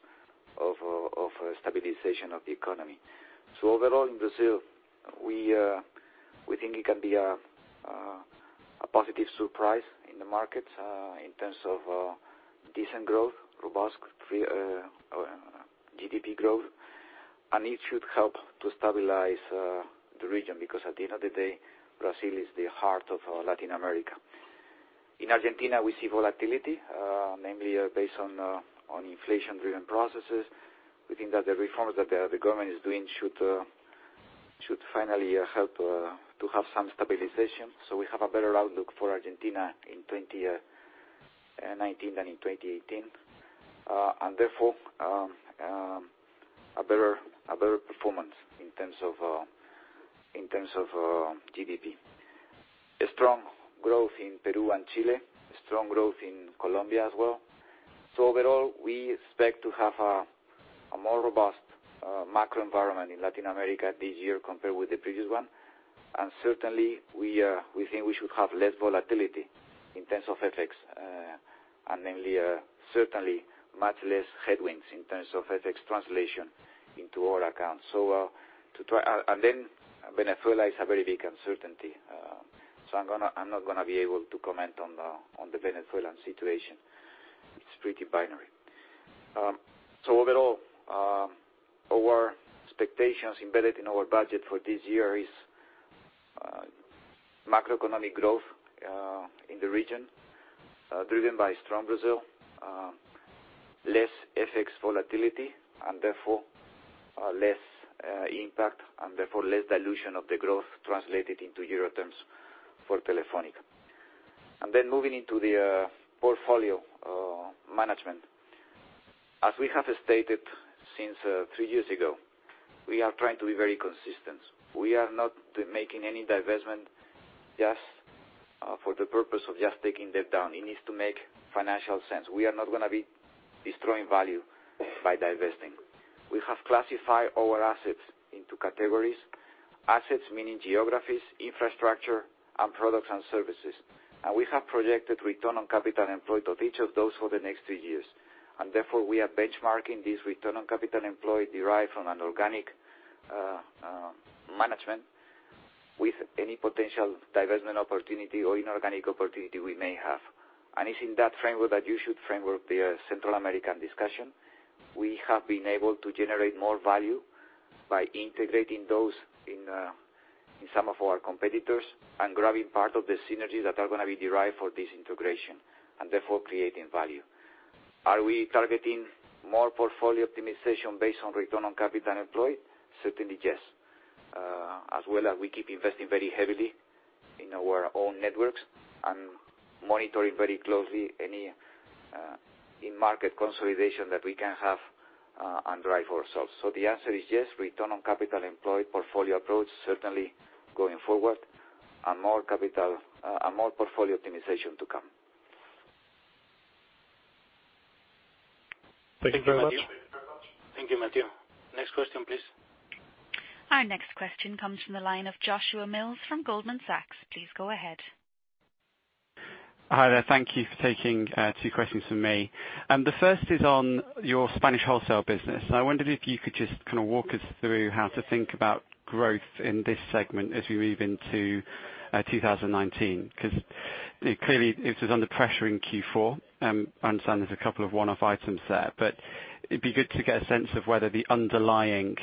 of stabilization of the economy. Overall, in Brazil, we think it can be a positive surprise in the market, in terms of decent growth, robust GDP growth, and it should help to stabilize the region, because at the end of the day, Brazil is the heart of Latin America. In Argentina, we see volatility, namely based on inflation-driven processes. We think that the reforms that the government is doing should finally help to have some stabilization. We have a better outlook for Argentina in 2019 than in 2018. Therefore, a better performance in terms of GDP. A strong growth in Peru and Chile, strong growth in Colombia as well. Overall, we expect to have a more robust macro environment in Latin America this year compared with the previous one. Certainly, we think we should have less volatility in terms of FX, and namely, certainly much less headwinds in terms of FX translation into our accounts. Venezuela is a very big uncertainty. I'm not going to be able to comment on the Venezuelan situation. It's pretty binary. Overall, our expectations embedded in our budget for this year is macroeconomic growth in the region, driven by strong Brazil, less FX volatility, and therefore less impact, and therefore less dilution of the growth translated into EUR terms for Telefónica. Moving into the portfolio management. As we have stated since three years ago, we are trying to be very consistent. We are not making any divestment just for the purpose of just taking debt down. It needs to make financial sense. We are not going to be destroying value by divesting. We have classified our assets into categories, assets meaning geographies, infrastructure, and products and services. We have projected return on capital employed of each of those for the next three years. Therefore, we are benchmarking this return on capital employed derived from an organic management with any potential divestment opportunity or inorganic opportunity we may have. It's in that framework that you should framework the Central American discussion. We have been able to generate more value by integrating those in some of our competitors and grabbing part of the synergies that are going to be derived for this integration, and therefore creating value. Are we targeting more portfolio optimization based on return on capital employed? Certainly, yes. As well as we keep investing very heavily in our own networks and monitoring very closely any in-market consolidation that we can have. Drive ourselves. The answer is yes, return on capital employed portfolio approach, certainly going forward, and more portfolio optimization to come. Thank you very much. Thank you, Mathieu. Next question, please. Our next question comes from the line of Joshua Mills from Goldman Sachs. Please go ahead. Hi there. Thank you for taking two questions from me. The first is on your Spanish wholesale business. I wondered if you could just walk us through how to think about growth in this segment as we move into 2019, because clearly it was under pressure in Q4. I understand there's a couple of one-off items there, but it'd be good to get a sense of whether the underlying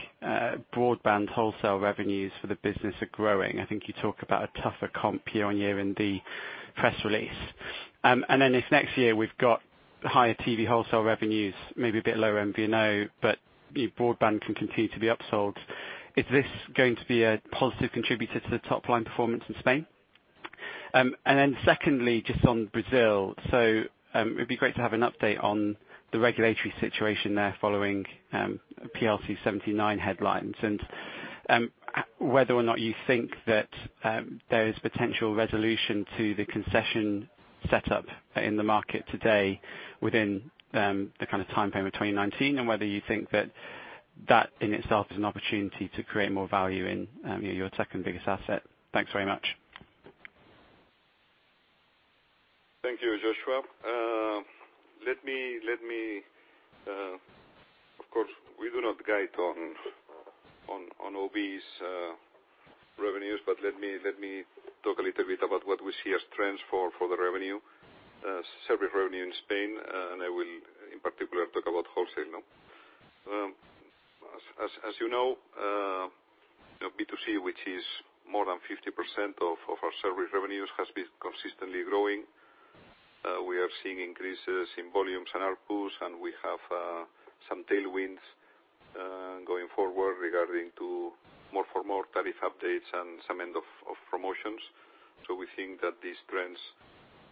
broadband wholesale revenues for the business are growing. I think you talk about a tougher comp year-on-year in the press release. If next year we've got higher TV wholesale revenues, maybe a bit lower MVNO, but your broadband can continue to be upsold. Is this going to be a positive contributor to the top-line performance in Spain? Secondly, just on Brazil. It'd be great to have an update on the regulatory situation there following PLC 79 headlines and whether or not you think that there is potential resolution to the concession setup in the market today within the timeframe of 2019, and whether you think that that in itself is an opportunity to create more value in your second biggest asset. Thanks very much. Thank you, Joshua. Of course, we do not guide on OB's revenues, but let me talk a little bit about what we see as trends for the service revenue in Spain, and I will, in particular, talk about wholesale. As you know B2C, which is more than 50% of our service revenues, has been consistently growing. We are seeing increases in volumes and ARPU, and we have some tailwinds going forward regarding to more tariff updates and some end of promotions. We think that these trends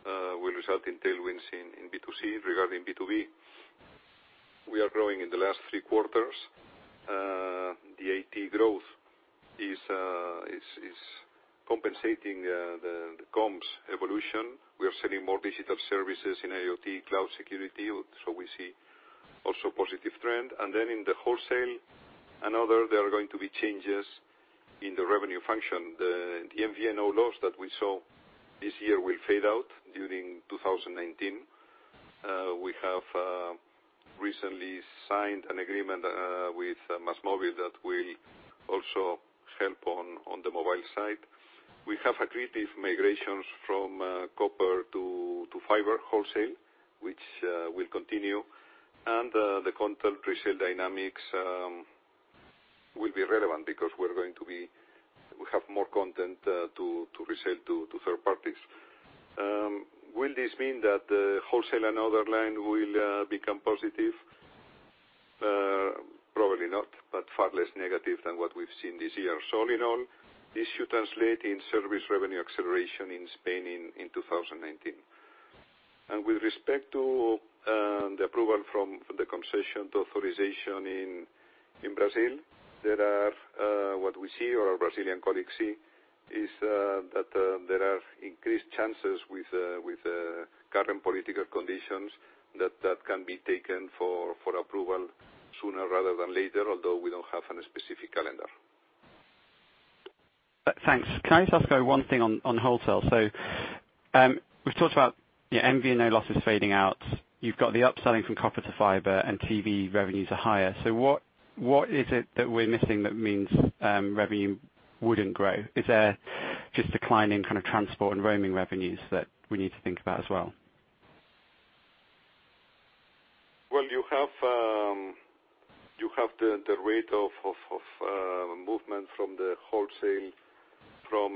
will result in tailwinds in B2C. Regarding B2B, we are growing in the last three quarters. The IT growth is compensating the comms evolution. We are selling more digital services in IoT, cloud security, we see also positive trend. Then in the wholesale and other, there are going to be changes in the revenue function. The MVNO loss that we saw this year will fade out during 2019. We have recently signed an agreement with MásMóvil that will also help on the mobile side. We have accretive migrations from copper to fiber wholesale, which will continue. The content resale dynamics will be relevant because we have more content to resell to third parties. Will this mean that the wholesale and other line will become positive? Probably not, but far less negative than what we've seen this year. In all, this should translate in service revenue acceleration in Spain in 2019. With respect to the approval from the concession to authorization in Brazil, what we see or our Brazilian colleagues see, is that there are increased chances with current political conditions that can be taken for approval sooner rather than later, although we don't have any specific calendar. Thanks. Can I just ask one thing on wholesale? We've talked about the MVNO losses fading out. You've got the upselling from copper to fiber and TV revenues are higher. What is it that we're missing that means revenue wouldn't grow? Is there just declining transport and roaming revenues that we need to think about as well? You have the rate of movement from the wholesale from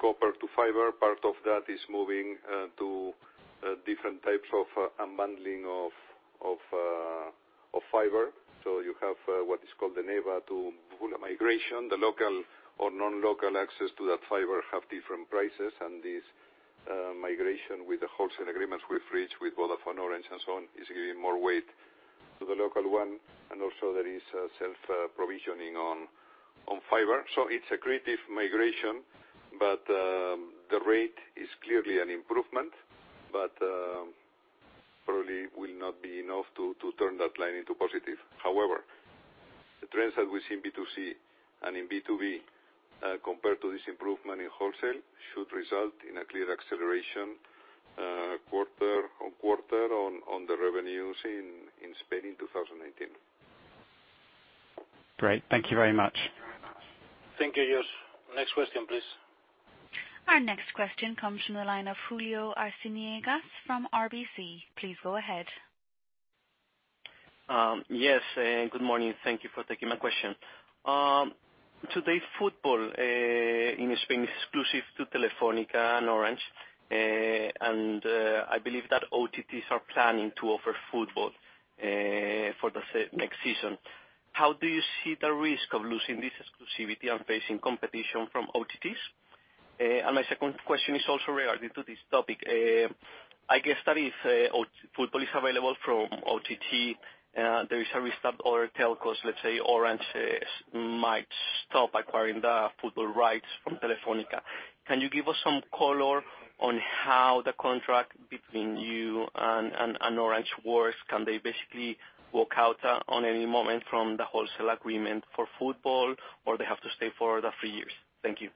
copper to fiber. Part of that is moving to different types of unbundling of fiber. You have what is called the NEBA-to-full migration. The local or non-local access to that fiber have different prices, and this migration with the wholesale agreements we have reached with Vodafone, Orange, and so on, is giving more weight to the local one. Also there is self-provisioning on fiber. It is accretive migration, but the rate is clearly an improvement, but probably will not be enough to turn that line into positive. However, the trends that we see in B2C and in B2B compared to this improvement in wholesale should result in a clear acceleration quarter-on-quarter on the revenues in Spain in 2019. Great. Thank you very much. Thank you, Josh. Next question, please. Our next question comes from the line of Julio Arciniegas from RBC. Please go ahead. Yes. Good morning. Thank you for taking my question. Today, football in Spain is exclusive to Telefónica and Orange. I believe that OTTs are planning to offer football for the next season. How do you see the risk of losing this exclusivity and facing competition from OTTs? My second question is also related to this topic. I guess that if football is available from OTT, there is a risk that other telcos, let's say Orange, might stop acquiring the football rights from Telefónica. Can you give us some color on how the contract between you and Orange works? Can they basically walk out on any moment from the wholesale agreement for football or they have to stay for the three years? Thank you.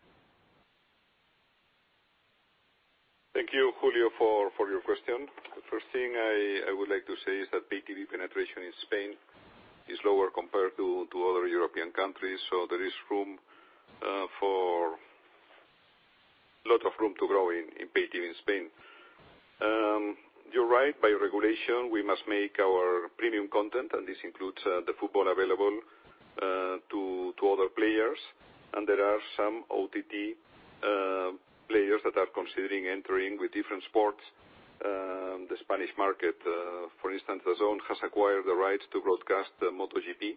Thank you, Julio, for your question. The first thing I would like to say is that Pay TV penetration in Spain is lower compared to other European countries, so there is lots of room to grow in Pay TV in Spain. You're right. By regulation, we must make our premium content, and this includes the football available to other players. There are some OTT players that are considering entering with different sports. The Spanish market, for instance, DAZN has acquired the rights to broadcast MotoGP,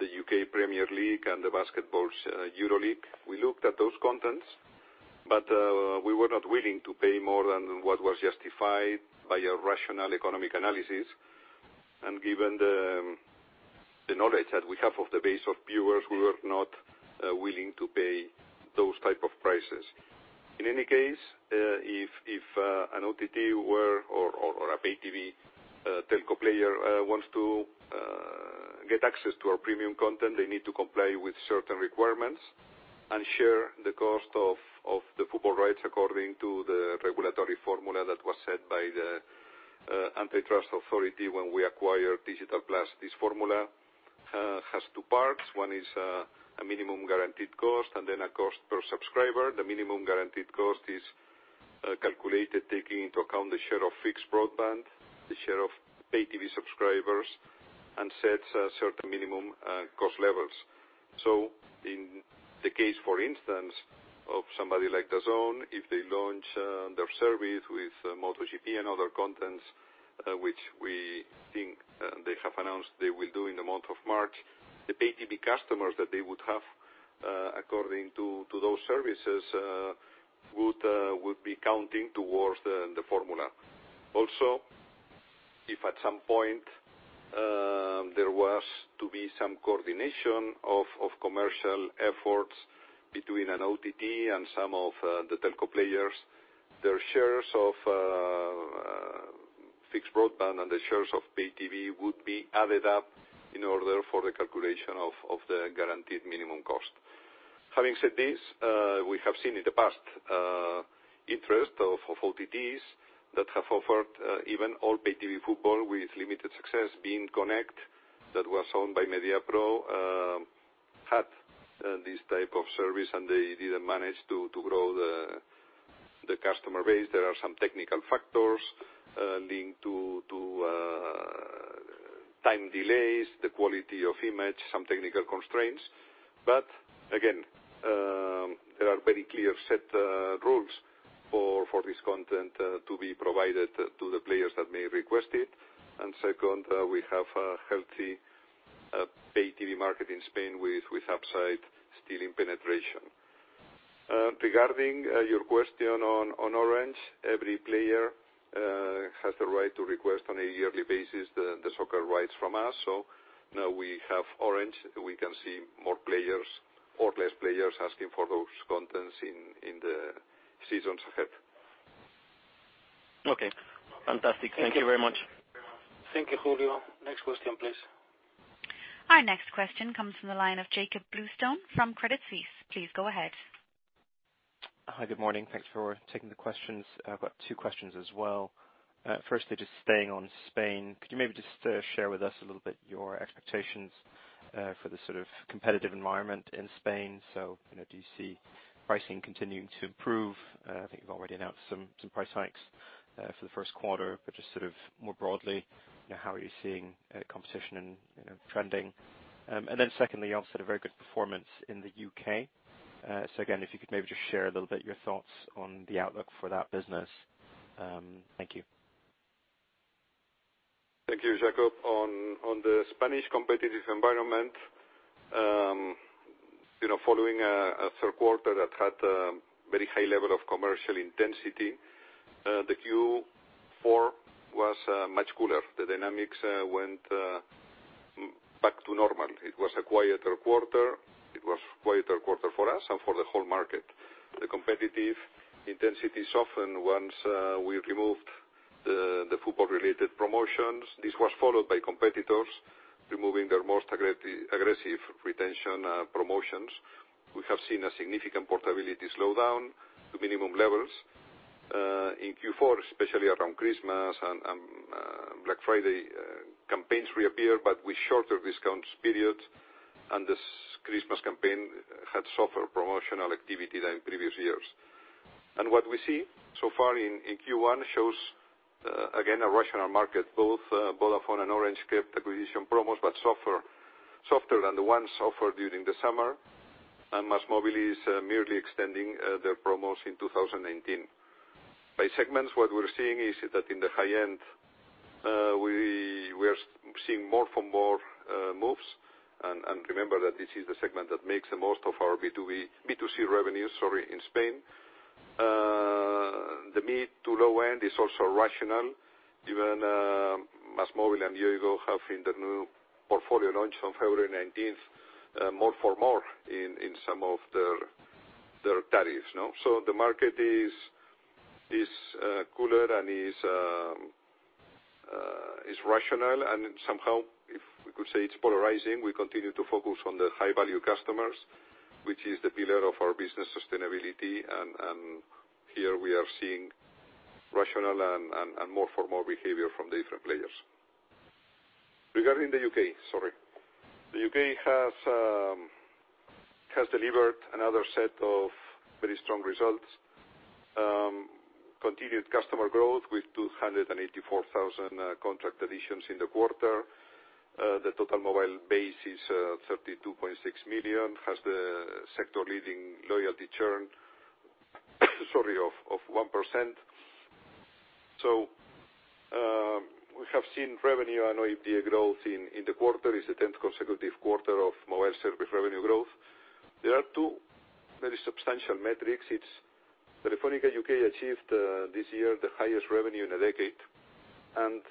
the U.K. Premier League, and basketball's EuroLeague. We looked at those contents, but we were not willing to pay more than what was justified by a rational economic analysis. Given the knowledge that we have of the base of viewers, we were not willing to pay those type of prices. In any case, if an OTT or a Pay TV telco player wants to get access to our premium content, they need to comply with certain requirements and share the cost of the football rights according to the regulatory formula that was set by the antitrust authority when we acquired Digital+. This formula has two parts. One is a minimum guaranteed cost and then a cost per subscriber. The minimum guaranteed cost is calculated taking into account the share of fixed broadband, the share of Pay TV subscribers, and sets certain minimum cost levels. In the case, for instance, of somebody like DAZN, if they launch their service with MotoGP and other contents, which we think they have announced they will do in the month of March, the Pay TV customers that they would have according to those services would be counting towards the formula. If at some point there was to be some coordination of commercial efforts between an OTT and some of the telco players, their shares of fixed broadband and the shares of Pay TV would be added up in order for the calculation of the guaranteed minimum cost. Having said this, we have seen in the past interest of OTTs that have offered even all Pay TV football with limited success. beIN Connect, that was owned by Mediapro, had this type of service, and they didn't manage to grow the customer base. There are some technical factors linked to time delays, the quality of image, some technical constraints. Again, there are very clear set rules for this content to be provided to the players that may request it. Second, we have a healthy Pay TV market in Spain with upside still in penetration. Regarding your question on Orange, every player has the right to request on a yearly basis the soccer rights from us. Now we have Orange. We can see more players or less players asking for those contents in the seasons ahead. Fantastic. Thank you very much. Thank you, Julio. Next question, please. Our next question comes from the line of Jakob Bluestone from Credit Suisse. Please go ahead. Hi. Good morning. Thanks for taking the questions. I've got two questions as well. Firstly, just staying on Spain, could you maybe just share with us a little bit your expectations for the sort of competitive environment in Spain? Do you see pricing continuing to improve? I think you've already announced some price hikes for the first quarter, but just sort of more broadly, how are you seeing competition trending? Secondly, you also had a very good performance in the U.K. Again, if you could maybe just share a little bit your thoughts on the outlook for that business. Thank you. Thank you, Jakob. On the Spanish competitive environment, following a third quarter that had a very high level of commercial intensity, the Q4 was much cooler. The dynamics went back to normal. It was a quieter quarter. It was a quieter quarter for us and for the whole market. The competitive intensity softened once we removed the football-related promotions. This was followed by competitors removing their most aggressive retention promotions. We have seen a significant portability slowdown to minimum levels. In Q4, especially around Christmas and Black Friday, campaigns reappeared but with shorter discount periods, and this Christmas campaign had softer promotional activity than previous years. What we see so far in Q1 shows, again, a rational market. Both Vodafone and Orange kept acquisition promos, but softer than the ones offered during the summer. MásMóvil is merely extending their promos in 2019. By segments, what we're seeing is that in the high end, we are seeing more for more moves. And remember that this is the segment that makes the most of our B2C revenue in Spain. The mid to low end is also rational, given MásMóvil and Yoigo have in the new portfolio launch on February 19th, more for more in some of their tariffs. The market is cooler and is rational, and somehow, if we could say it's polarizing. We continue to focus on the high-value customers, which is the pillar of our business sustainability. Here we are seeing rational and more for more behavior from the different players. Regarding the U.K. The U.K. has delivered another set of very strong results. Continued customer growth with 284,000 contract additions in the quarter. The total mobile base is 32.6 million, has the sector-leading loyalty churn, of 1%. We have seen revenue and OIBDA growth in the quarter. It is the 10th consecutive quarter of mobile service revenue growth. There are two very substantial metrics. Telefónica U.K. achieved this year the highest revenue in a decade and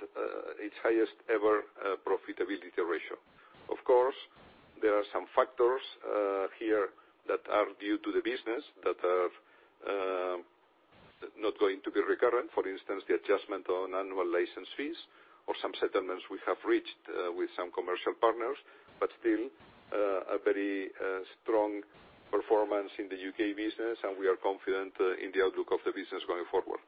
its highest ever profitability ratio. Of course, there are some factors here that are due to the business that are not going to be recurrent. For instance, the adjustment on annual license fees or some settlements we have reached with some commercial partners. Still, a very strong performance in the U.K. business, and we are confident in the outlook of the business going forward.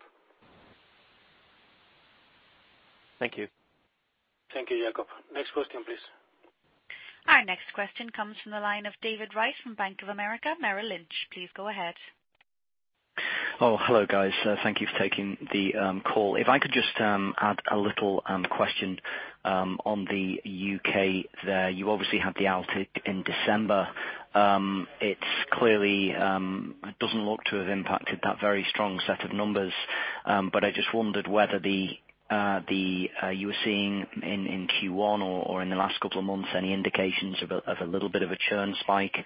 Thank you. Thank you, Jakob. Next question, please. Our next question comes from the line of David Rice from Bank of America Merrill Lynch. Please go ahead. Hello, guys. Thank you for taking the call. If I could just add a little question on the U.K. there. You obviously had the outage in December. It clearly doesn't look to have impacted that very strong set of numbers. I just wondered whether you were seeing in Q1 or in the last couple of months any indications of a little bit of a churn spike,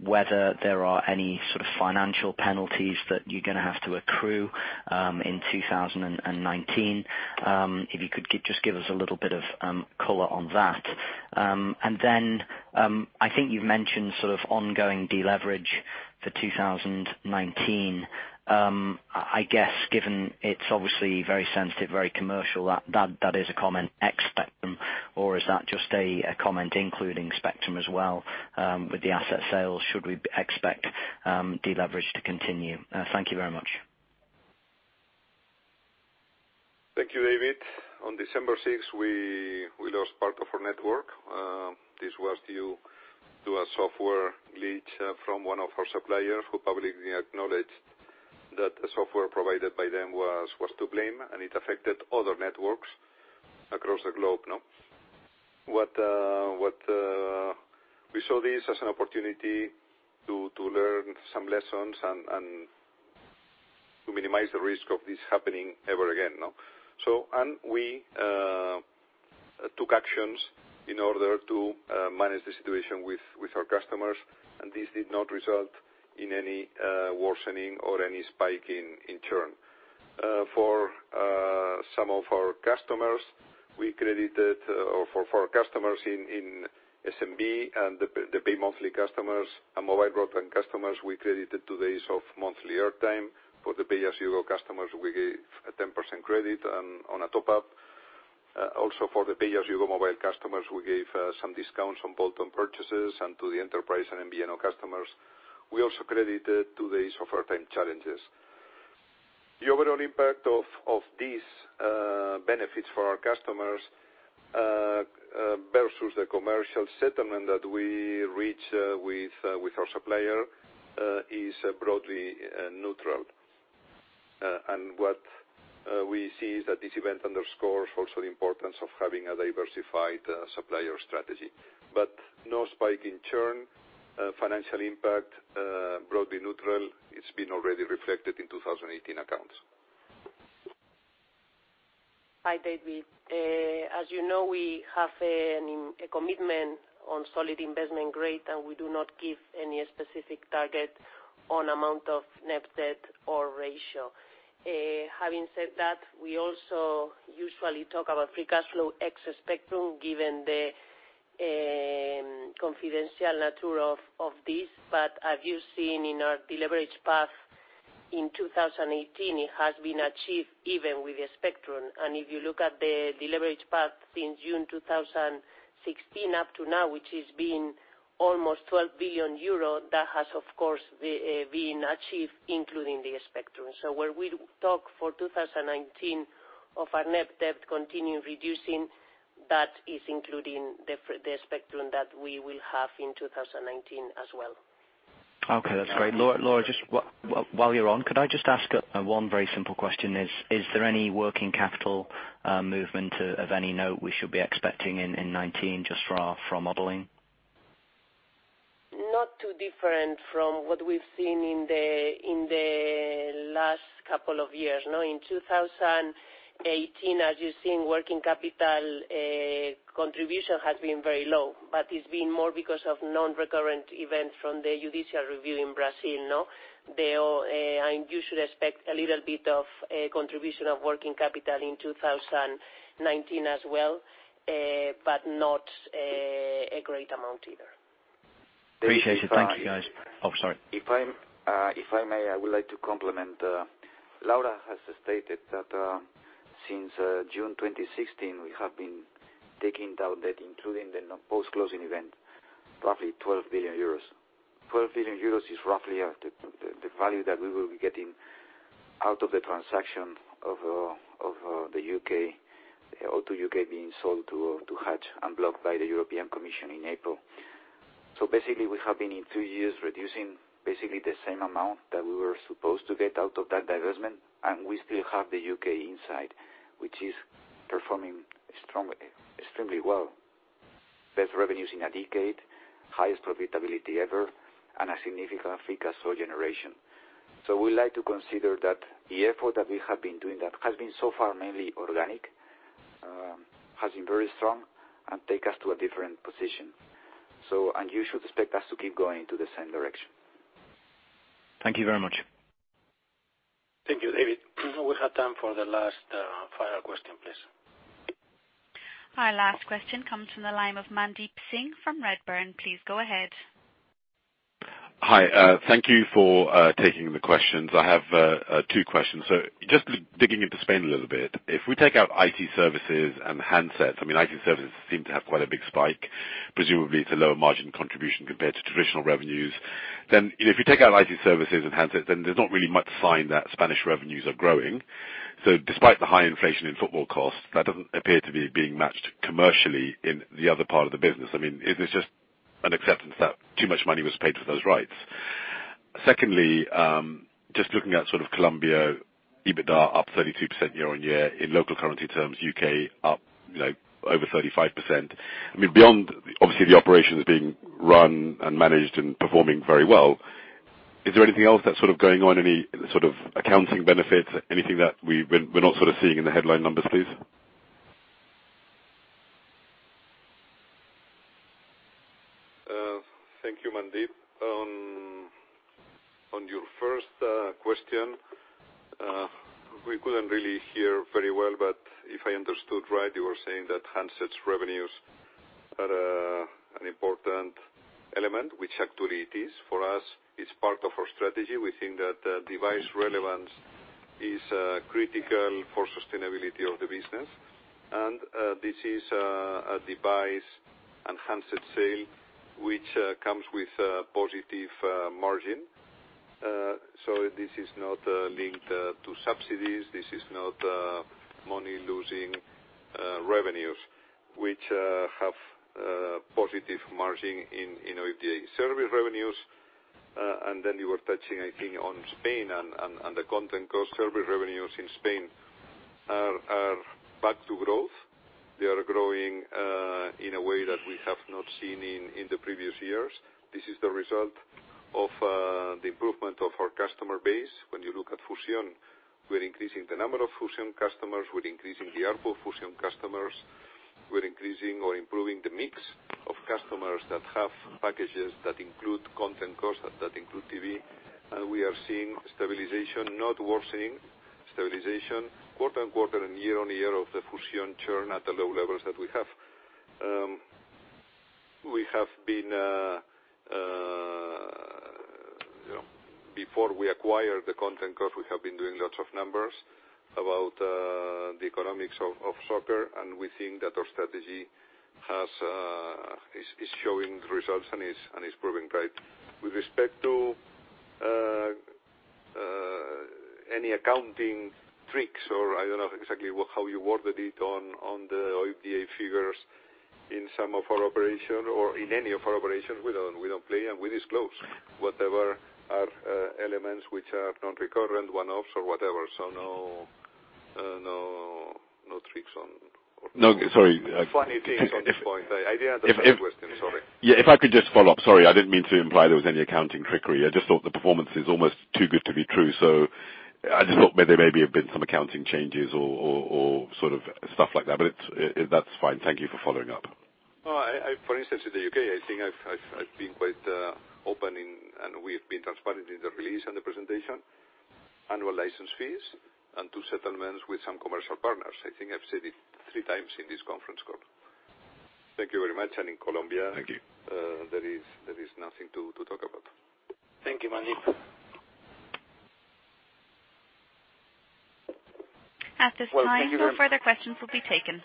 whether there are any sort of financial penalties that you're going to have to accrue in 2019. If you could just give us a little bit of color on that. I think you've mentioned sort of ongoing deleverage for 2019. I guess, given it's obviously very sensitive, very commercial, that is a comment ex spectrum, or is that just a comment including spectrum as well? With the asset sales, should we expect deleverage to continue? Thank you very much. Thank you, David. On December 6, we lost part of our network. This was due to a software glitch from one of our suppliers who publicly acknowledged that the software provided by them was to blame, and it affected other networks across the globe. We saw this as an opportunity to learn some lessons and to minimize the risk of this happening ever again. We took actions in order to manage the situation with our customers, and this did not result in any worsening or any spike in churn. For some of our customers, we credited, or for our customers in SMB and the pay monthly customers and mobile broadband customers, we credited 2 days of monthly airtime. For the Pay As You Go customers, we gave a 10% credit on a top-up. For the Pay As You Go Mobile customers, we gave some discounts on bolt-on purchases. To the enterprise and MVNO customers, we also credited 2 days of airtime challenges. The overall impact of these benefits for our customers versus the commercial settlement that we reach with our supplier is broadly neutral. What we see is that this event underscores also the importance of having a diversified supplier strategy. No spike in churn, financial impact broadly neutral. It's been already reflected in 2018 accounts. Hi, David. As you know, we have a commitment on solid investment grade, and we do not give any specific target on amount of net debt or ratio. Having said that, we also usually talk about free cash flow ex spectrum, given the confidential nature of this. As you've seen in our deleverage path in 2018, it has been achieved even with the spectrum. If you look at the deleverage path since June 2016 up to now, which has been almost 12 billion euros, that has, of course, been achieved including the spectrum. Where we talk for 2019 of our net debt continuing reducing, that is including the spectrum that we will have in 2019 as well. Okay, that's great. Laura, just while you're on, could I just ask one very simple question? Is there any working capital movement of any note we should be expecting in 2019 just for our modeling? Not too different from what we've seen in the last couple of years. In 2018, as you've seen, working capital contribution has been very low, but it's been more because of non-recurrent events from the judicial review in Brazil. You should expect a little bit of contribution of working capital in 2019 as well, but not a great amount either. Appreciate it. Thank you, guys. Sorry. If I may, I would like to complement. Laura has stated that since June 2016, we have been taking down debt, including the post-closing event, roughly 12 billion euros. 12 billion euros is roughly the value that we will be getting out of the transaction of the O2 UK being sold to Hutchison and blocked by the European Commission in April. Basically, we have been, in two years, reducing basically the same amount that we were supposed to get out of that divestment, and we still have the U.K. inside, which is performing extremely well. Best revenues in a decade, highest profitability ever, and a significant free cash flow generation. We like to consider that the effort that we have been doing that has been so far mainly organic, has been very strong and take us to a different position. You should expect us to keep going to the same direction. Thank you very much. Thank you, David. We have time for the last, final question, please. Our last question comes from the line of Mandeep Singh from Redburn. Please go ahead. Hi. Thank you for taking the questions. I have two questions. Just digging into Spain a little bit. If we take out IT services and handsets, IT services seem to have quite a big spike, presumably to lower margin contribution compared to traditional revenues. If you take out IT services and handsets, there's not really much sign that Spanish revenues are growing. Despite the high inflation in football costs, that doesn't appear to be being matched commercially in the other part of the business. Is this just an acceptance that too much money was paid for those rights? Secondly, just looking at Colombia, EBITDA up 32% year-on-year in local currency terms, U.K. up over 35%. Beyond, obviously, the operations being run and managed and performing very well, is there anything else that's going on, any sort of accounting benefits, anything that we're not seeing in the headline numbers, please? Thank you, Mandeep. On your first question, we couldn't really hear very well, if I understood right, you were saying that handsets revenues are an important element, which actually it is. For us, it's part of our strategy. We think that device relevance is critical for sustainability of the business. This is a device and handset sale which comes with a positive margin. This is not linked to subsidies. This is not money-losing revenues, which have positive margin in OIBDA service revenues. Then you were touching, I think, on Spain and the content cost service revenues in Spain are back to growth. They are growing in a way that we have not seen in the previous years. This is the result of the improvement of our customer base. When you look at Fusión, we're increasing the number of Fusión customers, we're increasing the ARPU Fusión customers. We're increasing or improving the mix of customers that have packages that include content costs, that include TV. We are seeing stabilization, not worsening, stabilization quarter-on-quarter and year-on-year of the Fusión churn at the low levels that we have. Before we acquired the content cost, we have been doing lots of numbers about the economics of soccer. We think that our strategy is showing results and is proving right. With respect to any accounting tricks, or I don't know exactly how you worded it on the OIBDA figures in some of our operation or in any of our operations. We don't play, we disclose whatever are elements which are non-recurrent one-offs or whatever. No tricks on- No, sorry. Funny things on this point. I didn't understand the question, sorry. Yeah, if I could just follow up. Sorry, I didn't mean to imply there was any accounting trickery. I just thought the performance is almost too good to be true. I just thought there maybe have been some accounting changes or stuff like that, but that's fine. Thank you for following up. For instance, in the U.K., I think I've been quite open, we've been transparent in the release and the presentation. Annual license fees and two settlements with some commercial partners. I think I've said it three times in this conference call. Thank you very much. Thank you. There is nothing to talk about. Thank you, Mandeep. At this time, no further questions will be taken.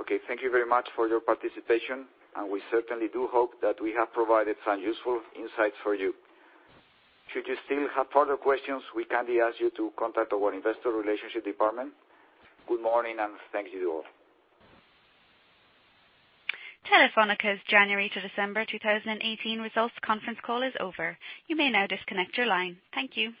Okay. Thank you very much for your participation. We certainly do hope that we have provided some useful insights for you. Should you still have further questions, we kindly ask you to contact our investor relationship department. Good morning. Thank you all. Telefónica's January to December 2018 results conference call is over. You may now disconnect your line. Thank you.